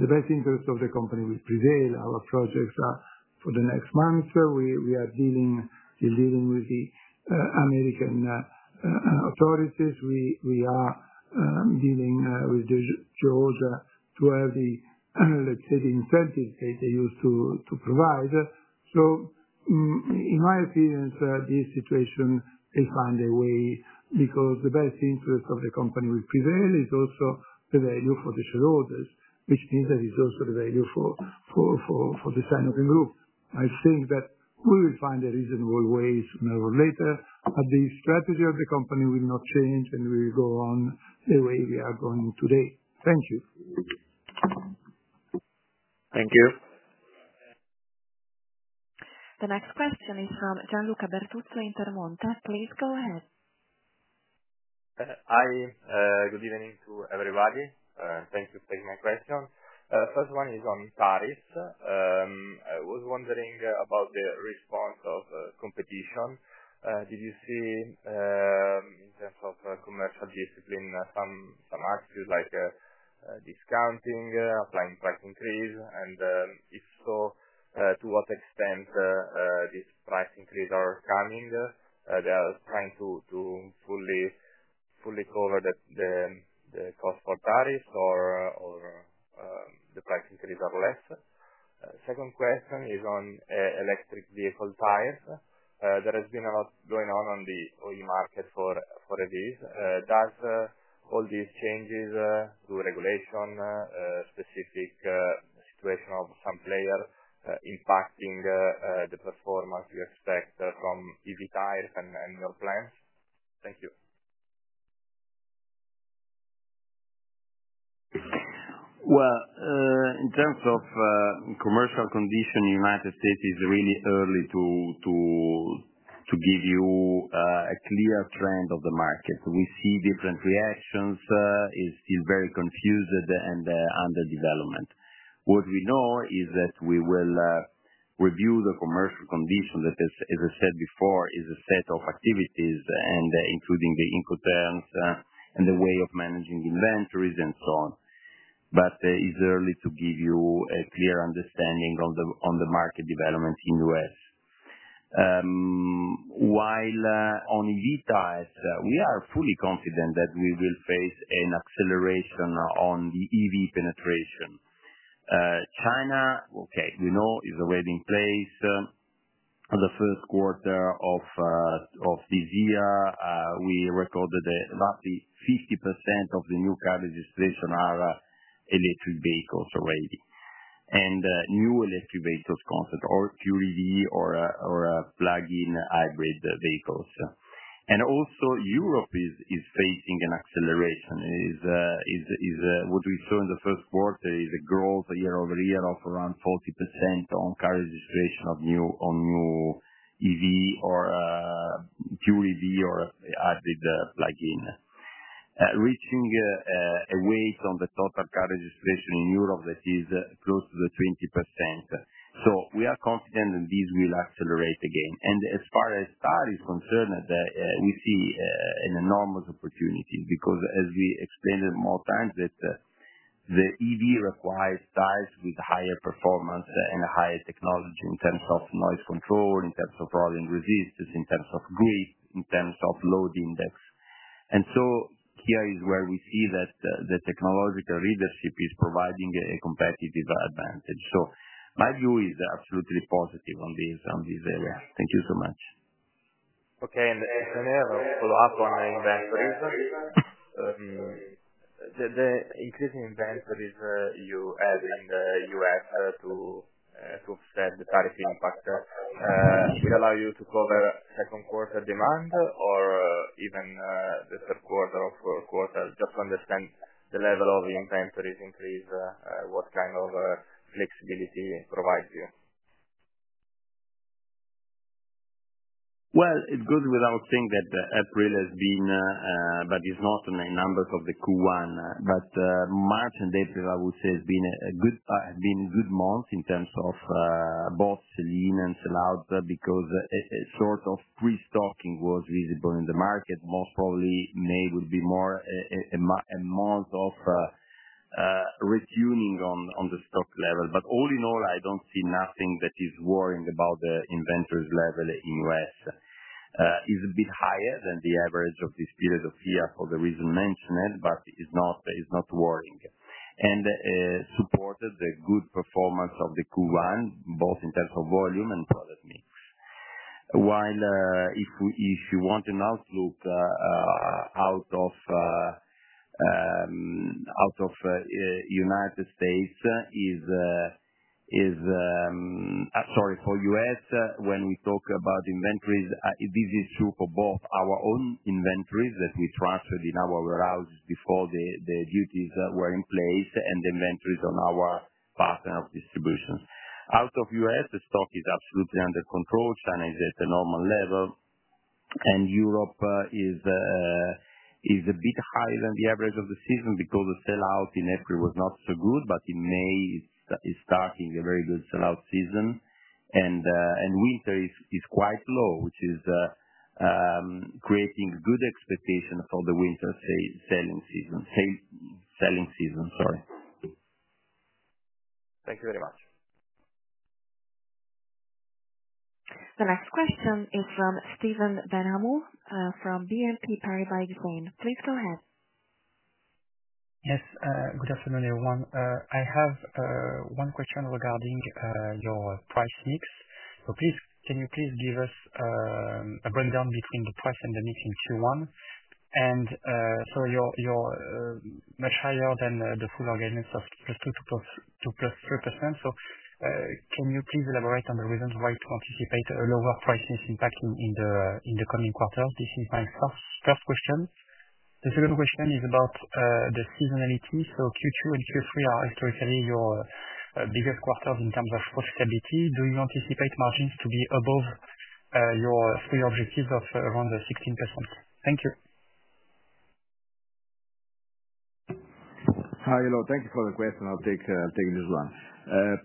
best interest of the company will prevail. Our projects are for the next month. We are dealing with the American authorities. We are dealing with Georgia to have the, let's say, the incentives that they used to provide. In my opinion, this situation will find a way because the best interest of the company will prevail. It's also the value for the shareholders, which means that it's also the value for the Sinochem group. I think that we will find a reasonable way sooner or later, but the strategy of the company will not change, and we will go on the way we are going today. Thank you. Thank you. The next question is from Gianluca Bertuzzo at Intermonte. Please go ahead. Hi. Good evening to everybody. Thank you for taking my question. First one is on tariffs. I was wondering about the response of competition. Did you see, in terms of commercial discipline, some attitudes like discounting, applying price increase? If so, to what extent these price increases are coming? Are they trying to fully cover the cost for tariffs or the price increases are less? Second question is on electric vehicle tires. There has been a lot going on on the OE market for a bit. Does all these changes due to regulation, specific situation of some player impacting the performance you expect from EV tires and your plans? Thank you. In terms of commercial condition, the United States is really early to give you a clear trend of the market. We see different reactions. It is still very confused and under development. What we know is that we will review the commercial condition that, as I said before, is a set of activities, including the incoterms and the way of managing inventories and so on. It is early to give you a clear understanding on the market developments in the U.S. While on EV tires, we are fully confident that we will face an acceleration on the EV penetration. China, okay, we know is already in place. The first quarter of this year, we recorded roughly 50% of the new car registrations are electric vehicles already. And new electric vehicles concept or QRV or plug-in hybrid vehicles. Also, Europe is facing an acceleration. What we saw in the first quarter is a growth year over year of around 40% on car registration on new EV or QRV or hybrid plug-in, reaching a weight on the total car registration in Europe that is close to 20%. We are confident that this will accelerate again. As far as tires are concerned, we see enormous opportunities because, as we explained more times, the EV requires tires with higher performance and higher technology in terms of noise control, in terms of rolling resistance, in terms of grip, in terms of load index. Here is where we see that the technological leadership is providing a competitive advantage. My view is absolutely positive on this area. Thank you so much. Okay. I just want to follow up on the inventories. The increasing inventories you have in the U.S. to offset the tariff impact will allow you to cover second quarter demand or even the third quarter or fourth quarter? Just to understand the level of inventories increase, what kind of flexibility it provides you? It goes without saying that April has been, but it's not in the numbers of the Q1, but March and April, I would say, have been good months in terms of both selling and sell out because a sort of pre-stocking was visible in the market. Most probably, May would be more a month of retuning on the stock level. All in all, I don't see nothing that is worrying about the inventories level in the U.S. It's a bit higher than the average of this period of year for the reason mentioned, but it's not worrying. It supported the good performance of the Q1, both in terms of volume and product mix. While if you want an outlook out of the United State, sorry, for U.S., when we talk about inventories, this is true for both our own inventories that we transferred in our warehouses before the duties were in place and the inventories on our partner of distributions. Out of U.S., the stock is absolutely under control. China is at a normal level. Europe is a bit higher than the average of the season because the sell out in April was not so good, but in May, it's starting a very good sell out season. Winter is quite low, which is creating good expectations for the winter selling season. Thank you very much. The next question is from Stephen Benhamou from BNP Paribas. Please go ahead. Yes. Good afternoon, everyone. I have one question regarding your price mix. Can you please give us a breakdown between the price and the mix in Q1? You are much higher than the full organics of +2% to +3%. Can you please elaborate on the reasons why you anticipate a lower price mix impact in the coming quarters? This is my first question. The second question is about the seasonality. Q2 and Q3 are historically your biggest quarters in terms of profitability. Do you anticipate margins to be above your three objectives of around 16%? Thank you. Hi. Hello. Thank you for the question. I'll take this one.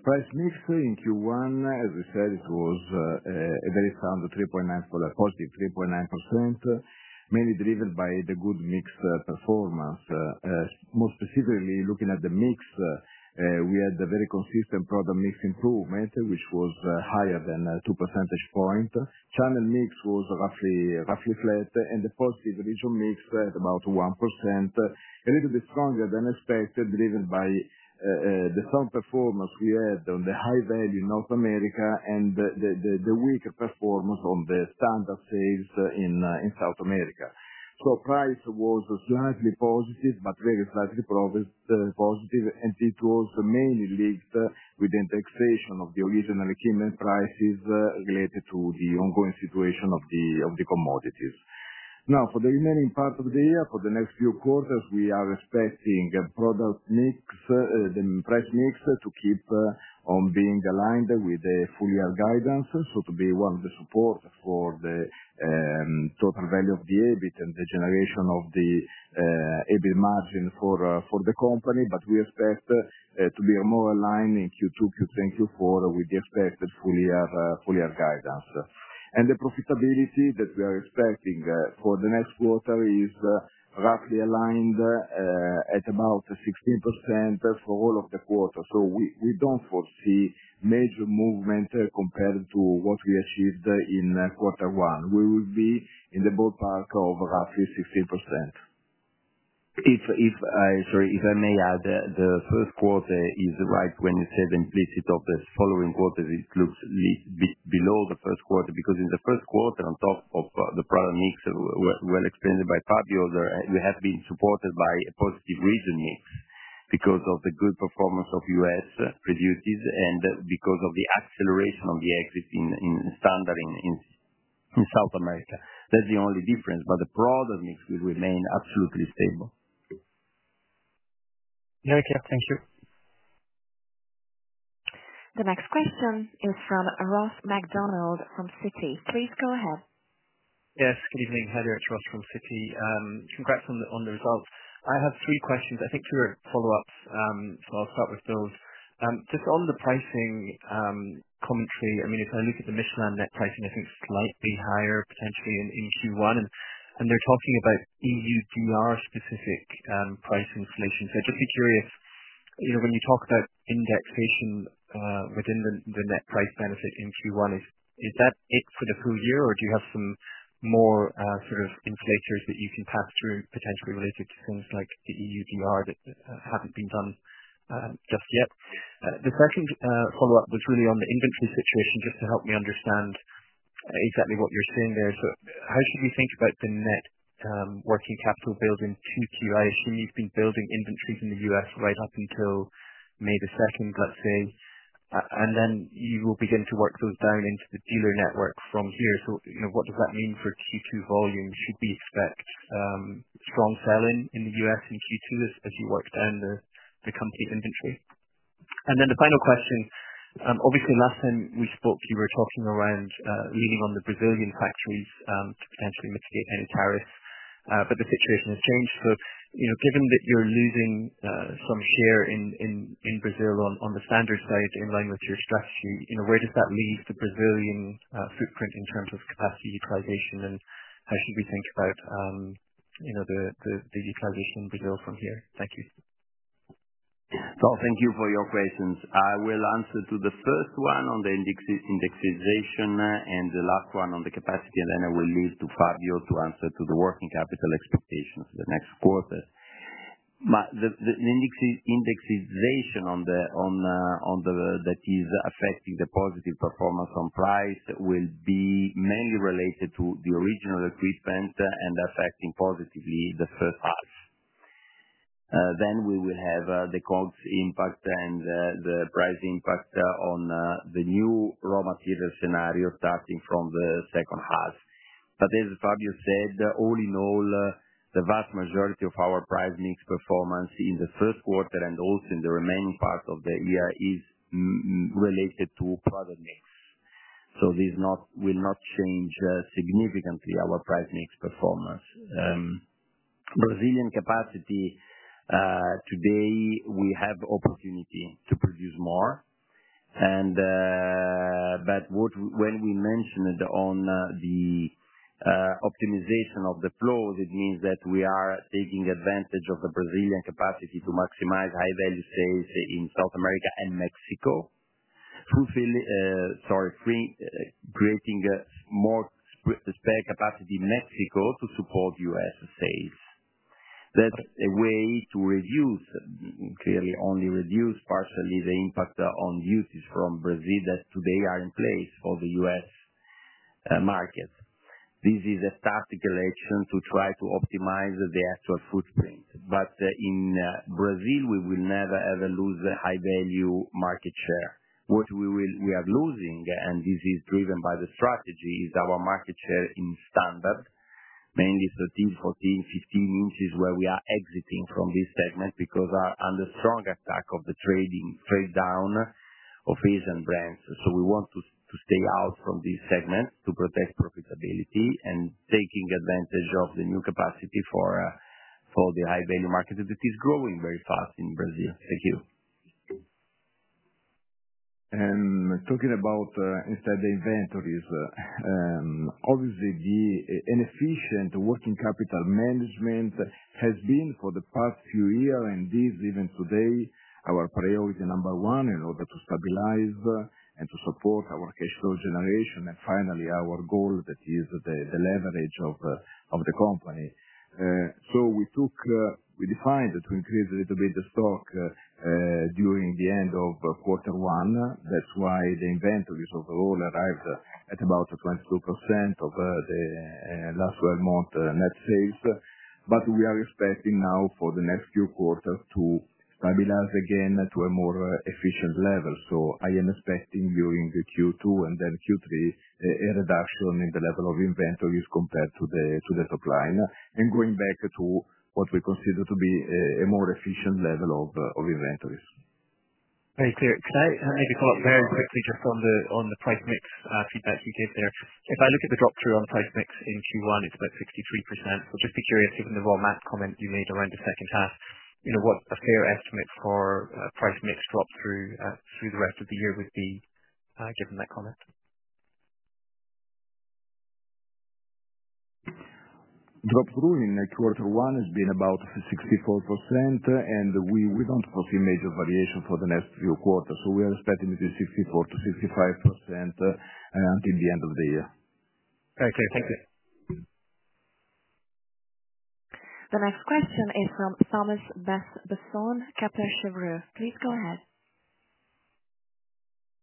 Price mix in Q1, as I said, it was a very sound 3.9%, positive 3.9%, mainly driven by the good mix performance. More specifically, looking at the mix, we had a very consistent product mix improvement, which was higher than two percentage points. Channel mix was roughly flat, and the positive regional mix at about 1%, a little bit stronger than expected, driven by the strong performance we had on the high value in North America and the weaker performance on the standard sales in South America. Price was slightly positive, but very slightly positive, and it was mainly linked with the indexation of the original equipment prices related to the ongoing situation of the commodities. Now, for the remaining part of the year, for the next few quarters, we are expecting product mix, the price mix, to keep on being aligned with the full year guidance, to be one of the supports for the total value of the EBIT and the generation of the EBIT margin for the company. We expect to be more aligned in Q2, Q3, and Q4 with the expected full year guidance. The profitability that we are expecting for the next quarter is roughly aligned at about 16% for all of the quarters. We do not foresee major movement compared to what we achieved in quarter one. We will be in the ballpark of roughly 16%. Sorry, if I may add, the first quarter is right when you said implicit of the following quarters, it looks a little bit below the first quarter because in the first quarter, on top of the product mix, well explained by Fabio, we have been supported by a positive region mix because of the good performance of US producers and because of the acceleration of the exit in standard in South America. That's the only difference, but the product mix will remain absolutely stable. Very clear. Thank you. The next question is from Ross MacDonald from Citi. Please go ahead. Yes. Good evening. Hi there. It's Ross from Citi. Congrats on the results. I have three questions. I think two are follow-ups, so I'll start with those. Just on the pricing commentary, I mean, if I look at the Michelin net pricing, I think it's slightly higher potentially in Q1, and they're talking about EUDR-specific price inflation. Just be curious, when you talk about indexation within the net price benefit in Q1, is that it for the full year, or do you have some more sort of inflator that you can pass through potentially related to things like the EUDR that haven't been done just yet? The second follow-up was really on the inventory situation, just to help me understand exactly what you're seeing there. How should we think about the net working capital build in Q2? I assume you've been building inventories in the U.S. right up until May the 2nd, let's say, and then you will begin to work those down into the dealer network from here. What does that mean for Q2 volume? Should we expect strong selling in the U.S. in Q2 as you work down the company inventory? The final question. Obviously, last time we spoke, you were talking around leaning on the Brazilian factories to potentially mitigate any tariffs, but the situation has changed. Given that you're losing some share in Brazil on the standard side in line with your strategy, where does that leave the Brazilian footprint in terms of capacity utilization, and how should we think about the utilization in Brazil from here? Thank you. Thank you for your questions. I will answer to the first one on the indexation and the last one on the capacity, and then I will leave to Fabio to answer to the working capital expectations for the next quarter. The indexation that is affecting the positive performance on price will be mainly related to the original equipment and affecting positively the first half. We will have the cost impact and the price impact on the new raw material scenario starting from the second half. As Fabio said, all in all, the vast majority of our price mix performance in the first quarter and also in the remaining part of the year is related to product mix. This will not change significantly our price mix performance. Brazilian capacity today, we have opportunity to produce more. When we mentioned on the optimization of the flows, it means that we are taking advantage of the Brazilian capacity to maximize high-value sales in South America and Mexico, creating more spare capacity in Mexico to support U.S. sales. That is a way to reduce, clearly only reduce partially, the impact on duties from Brazil that today are in place for the U.S. market. This is a tactical action to try to optimize the actual footprint. In Brazil, we will never ever lose the high-value market share. What we are losing, and this is driven by the strategy, is our market share in standard, mainly 13, 14, 15 inches where we are exiting from this segment because under strong attack of the trade down of Asian brands. We want to stay out from this segment to protect profitability and taking advantage of the new capacity for the high-value market that is growing very fast in Brazil. Thank you. Talking about, instead, the inventories, obviously, the inefficient working capital management has been for the past few years, and this even today, our priority number one in order to stabilize and to support our cash flow generation, and finally, our goal that is the leverage of the company. We decided to increase a little bit the stock during the end of quarter one. That's why the inventories overall arrived at about 22% of the last 12-month net sales. We are expecting now for the next few quarters to stabilize again to a more efficient level. I am expecting during Q2 and then Q3 a reduction in the level of inventories compared to the top line and going back to what we consider to be a more efficient level of inventories. Very clear. Can I maybe follow up very quickly just on the price mix feedback you gave there? If I look at the drop-through on price mix in Q1, it's about 63%. So just be curious, given the raw mass comment you made around the second half, what a fair estimate for price mix drop-through through the rest of the year would be given that comment? Drop-through in quarter one has been about 64%, and we do not foresee major variation for the next few quarters. We are expecting to be 64-65% until the end of the year. Very clear. Thank you. The next question is from Thomas Besson, Kepler Cheuvreux. Please go ahead.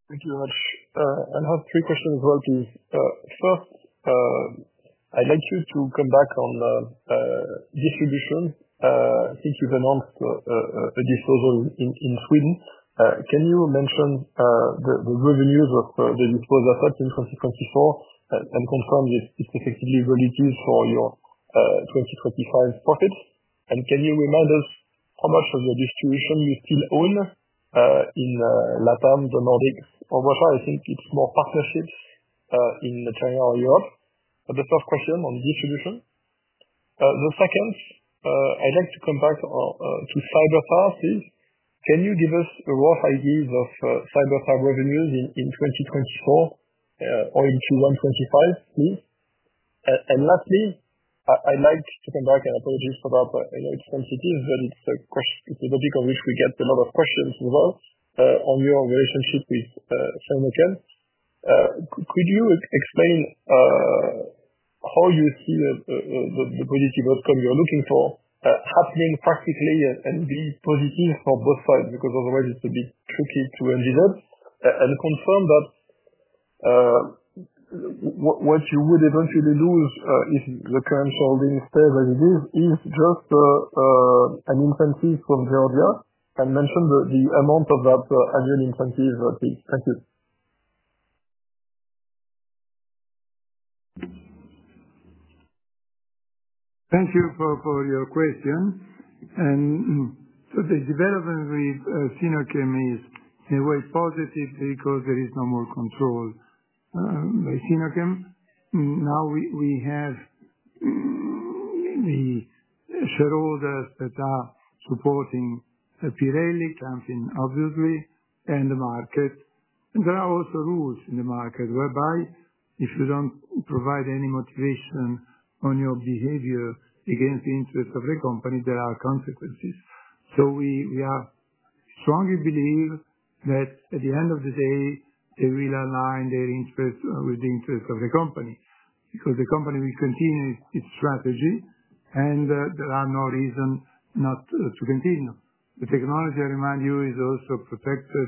Thank you very much. I have three questions as well, please. First, I'd like you to come back on distribution. I think you've announced a disposal in Sweden. Can you mention the revenues of the disposal set in 2024 and confirm if it's effectively relative for your 2025 profits? And can you remind us how much of your distribution you still own in LATAM, the Nordics, or Russia? I think it's more partnerships in China or Europe. The first question on distribution. The second, I'd like to come back to Cyber Tyre, please. Can you give us rough ideas of Cyber Tyre revenues in 2024 or in Q1, Q2, Q5, please? And lastly, I'd like to come back, and apologies for that, I know it's sensitive, but it's a topic on which we get a lot of questions as well on your relationship with Sinochem. Could you explain how you see the positive outcome you're looking for happening practically and be positive for both sides? Because otherwise, it's a bit tricky to envision. Confirm that what you would eventually lose if the current holding stays as it is is just an incentive from Georgia and mention the amount of that annual incentive, please. Thank you. Thank you for your question. The development with Sinochem is, in a way, positive because there is no more control by Sinochem. Now we have the shareholders that are supporting Pirelli, LITAMFIN, obviously, and the market. There are also rules in the market whereby if you do not provide any motivation on your behavior against the interest of the company, there are consequences. We strongly believe that at the end of the day, they will align their interests with the interests of the company because the company will continue its strategy, and there is no reason not to continue. The technology, I remind you, is also protected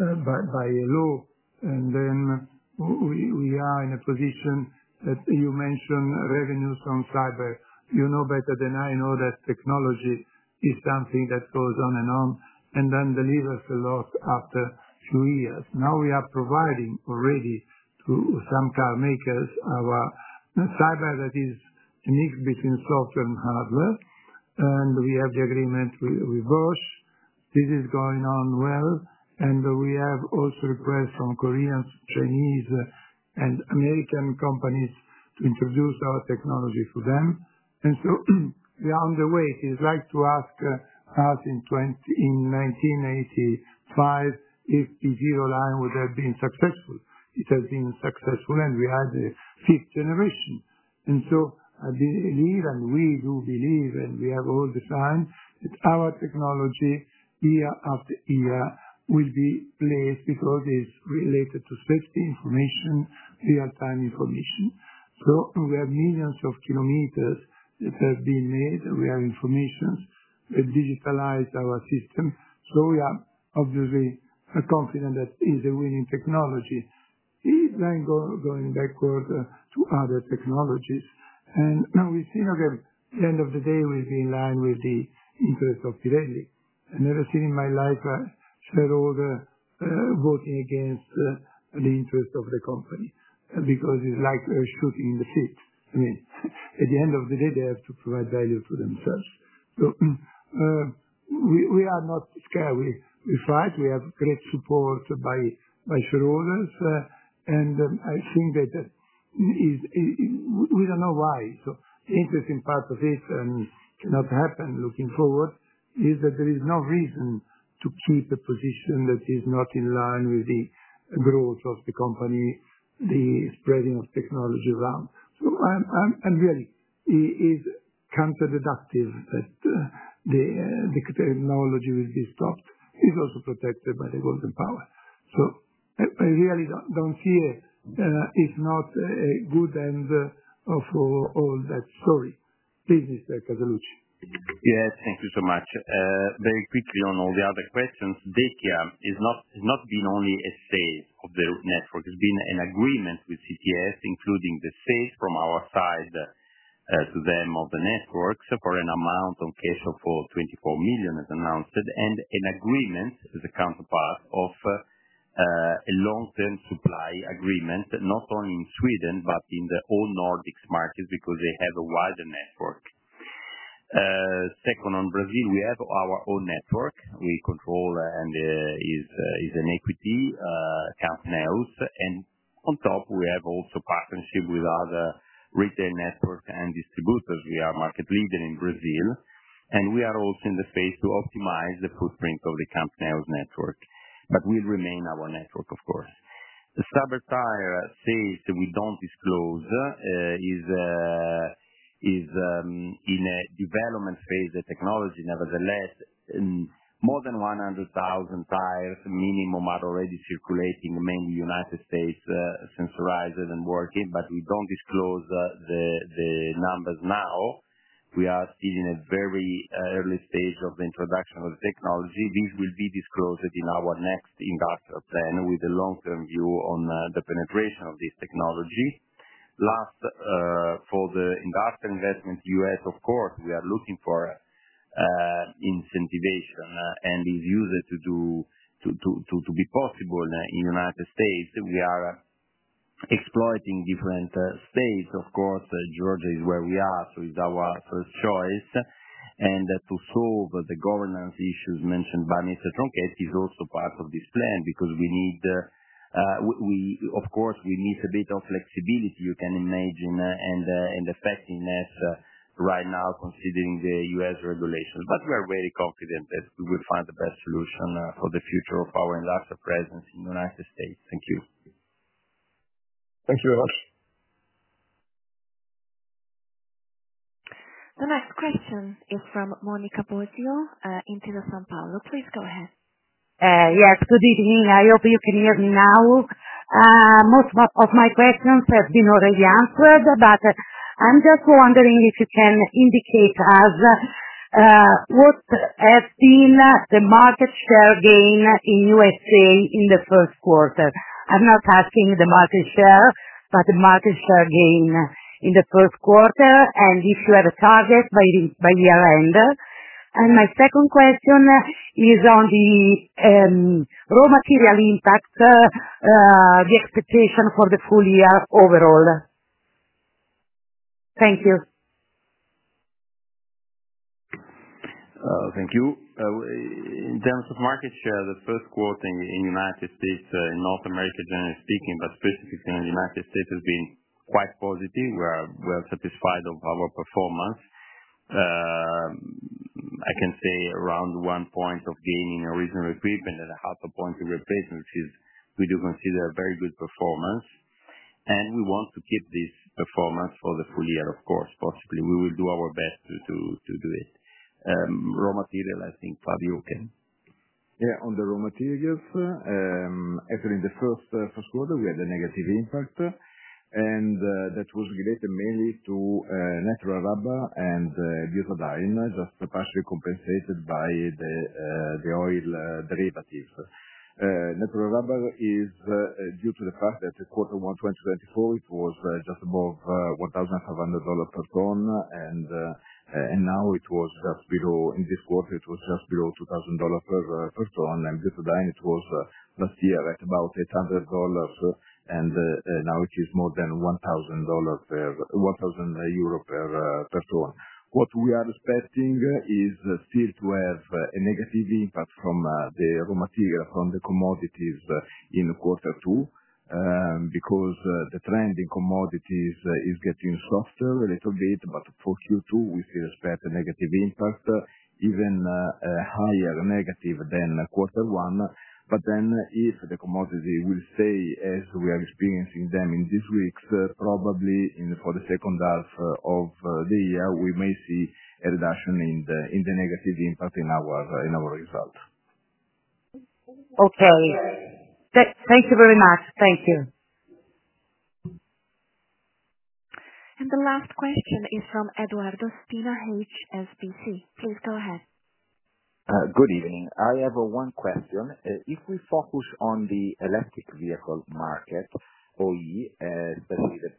by a law. We are in a position that you mentioned revenues on cyber. You know better than I know that technology is something that goes on and on and then delivers a lot after a few years. Now we are providing already to some car makers our Cyber Tire that is a mix between software and hardware, and we have the agreement with Bosch. This is going on well, and we have also requests from Korean, Chinese, and American companies to introduce our technology for them. We are on the way. It is like to ask us in 1985 if the P Zero line would have been successful. It has been successful, and we are the fifth generation. I believe, and we do believe, and we have all defined that our technology, year after year, will be placed because it is related to safety, information, real-time information. We have millions of kilometers that have been made. We have information that digitalized our system. We are obviously confident that it is a winning technology. Going backward to other technologies. With SENOCAN, at the end of the day, we'll be in line with the interests of Pirelli. I've never seen in my life shareholders voting against the interests of the company because it's like shooting in the feet. I mean, at the end of the day, they have to provide value for themselves. We are not scared. We fight. We have great support by shareholders. I think that we don't know why. The interesting part of it and cannot happen looking forward is that there is no reason to keep a position that is not in line with the growth of the company, the spreading of technology around. I'm really, it is counterproductive that the technology will be stopped. It's also protected by the Golden Power. I really don't see it. It's not good end for all that story. Please, Mr. Casaluci. Yes. Thank you so much. Very quickly on all the other questions. DECIA has not been only a sale of the network. It's been an agreement with CTS, including the sale from our side to them of the networks for an amount of cash of 24 million, as announced, and an agreement with the counterpart of a long-term supply agreement, not only in Sweden but in all Nordic markets because they have a wider network. Second, on Brazil, we have our own network. We control and is an equity, Camp Neos. And on top, we have also partnership with other retail networks and distributors. We are market leader in Brazil, and we are also in the phase to optimize the footprint of the Camp Neos network, but will remain our network, of course. The Cyber Tire sales that we don't disclose is in a development phase of technology. Nevertheless, more than 100,000 tires minimum are already circulating, mainly United States sensorized and working, but we do not disclose the numbers now. We are still in a very early stage of the introduction of the technology. This will be disclosed in our next industrial plan with a long-term view on the penetration of this technology. Last, for the industrial investment, U.S., of course, we are looking for incentivation and it is usual to be possible in the United States. We are exploiting different states. Of course, Georgia is where we are, so it is our first choice. To solve the governance issues mentioned by Mr. Tronchetti is also part of this plan because we need, of course, we need a bit of flexibility, you can imagine, and effectiveness right now considering the U.S. regulations. We are very confident that we will find the best solution for the future of our industrial presence in the United States. Thank you. Thank you very much. The next question is from Monica Bosio, Intesa Sanpaolo. Please go ahead. Yes. Good evening. I hope you can hear me now. Most of my questions have been already answered, but I'm just wondering if you can indicate to us what has been the market share gain in the U.S. in the first quarter. I'm not asking the market share, but the market share gain in the first quarter and if you have a target by year-end. My second question is on the raw material impact, the expectation for the full year overall. Thank you. Thank you. In terms of market share, the first quarter in the United States, in North America generally speaking, but specifically in the United States, has been quite positive. We are well satisfied of our performance. I can say around one point of gaining original equipment and a half a point of replacement, which we do consider a very good performance. We want to keep this performance for the full year, of course, possibly. We will do our best to do it. Raw material, I think, Fabio, you can. Yeah. On the raw materials, actually, in the first quarter, we had a negative impact, and that was related mainly to natural rubber and butadiene, just partially compensated by the oil derivatives. Natural rubber is due to the fact that quarter one 2024, it was just above $1,500 per ton, and now it was just below, in this quarter, it was just below $2,000 per ton. And butadiene, it was last year at about $800, and now it is more than EUR 1,000 per ton. What we are expecting is still to have a negative impact from the raw material, from the commodities in quarter two because the trend in commodities is getting softer a little bit. For Q2, we still expect a negative impact, even higher negative than quarter one. If the commodity will stay as we are experiencing them in these weeks, probably for the second half of the year, we may see a reduction in the negative impact in our result. Okay. Thank you very much. Thank you. The last question is from Edoardo Spina, HSBC. Please go ahead. Good evening. I have one question. If we focus on the electric vehicle market, OE, especially the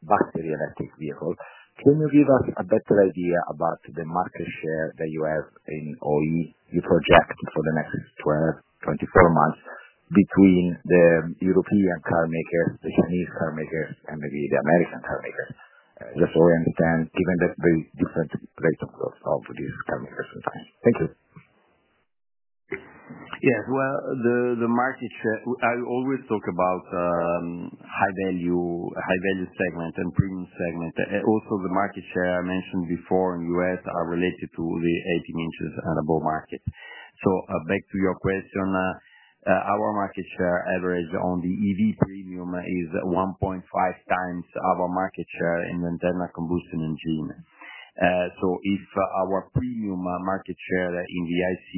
battery electric vehicle, can you give us a better idea about the market share that you have in OE you project for the next 12-24 months between the European car makers, the Chinese car makers, and maybe the American car makers? Just so I understand, given that very different rate of growth of these car makers sometimes. Thank you. Yes. The market share, I always talk about high-value segment and premium segment. Also, the market share I mentioned before in the U.S. is related to the 18 in and above market. Back to your question, our market share average on the EV premium is one point five times our market share in the internal combustion engine. If our premium market share in VIC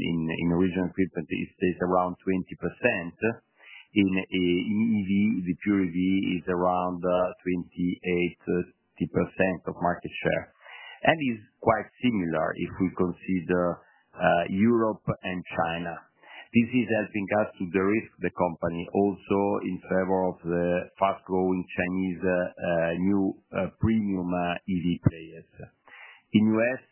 in original equipment stays around 20%, in EV, the pure EV is around 28% of market share and is quite similar if we consider Europe and China. This is helping us to de-risk the company also in favor of the fast-growing Chinese new premium EV players. In the U.S.,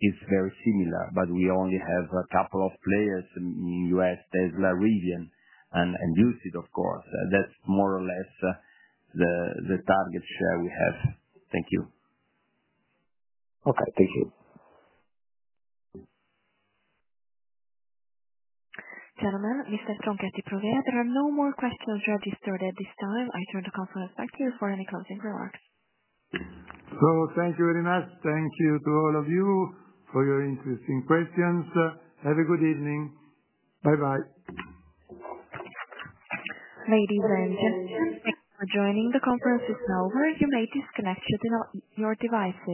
it is very similar, but we only have a couple of players in the U.S., Tesla, Rivian, and Lucid, of course. That is more or less the target share we have. Thank you. Okay. Thank you. Gentlemen, Mr. Tronchetti Provera, there are no more questions registered at this time. I turn the conference back to you for any closing remarks. Thank you very much. Thank you to all of you for your interesting questions. Have a good evening. Bye-bye. Ladies and gentlemen, thank you for joining the conference. It's now over. You may disconnect your devices.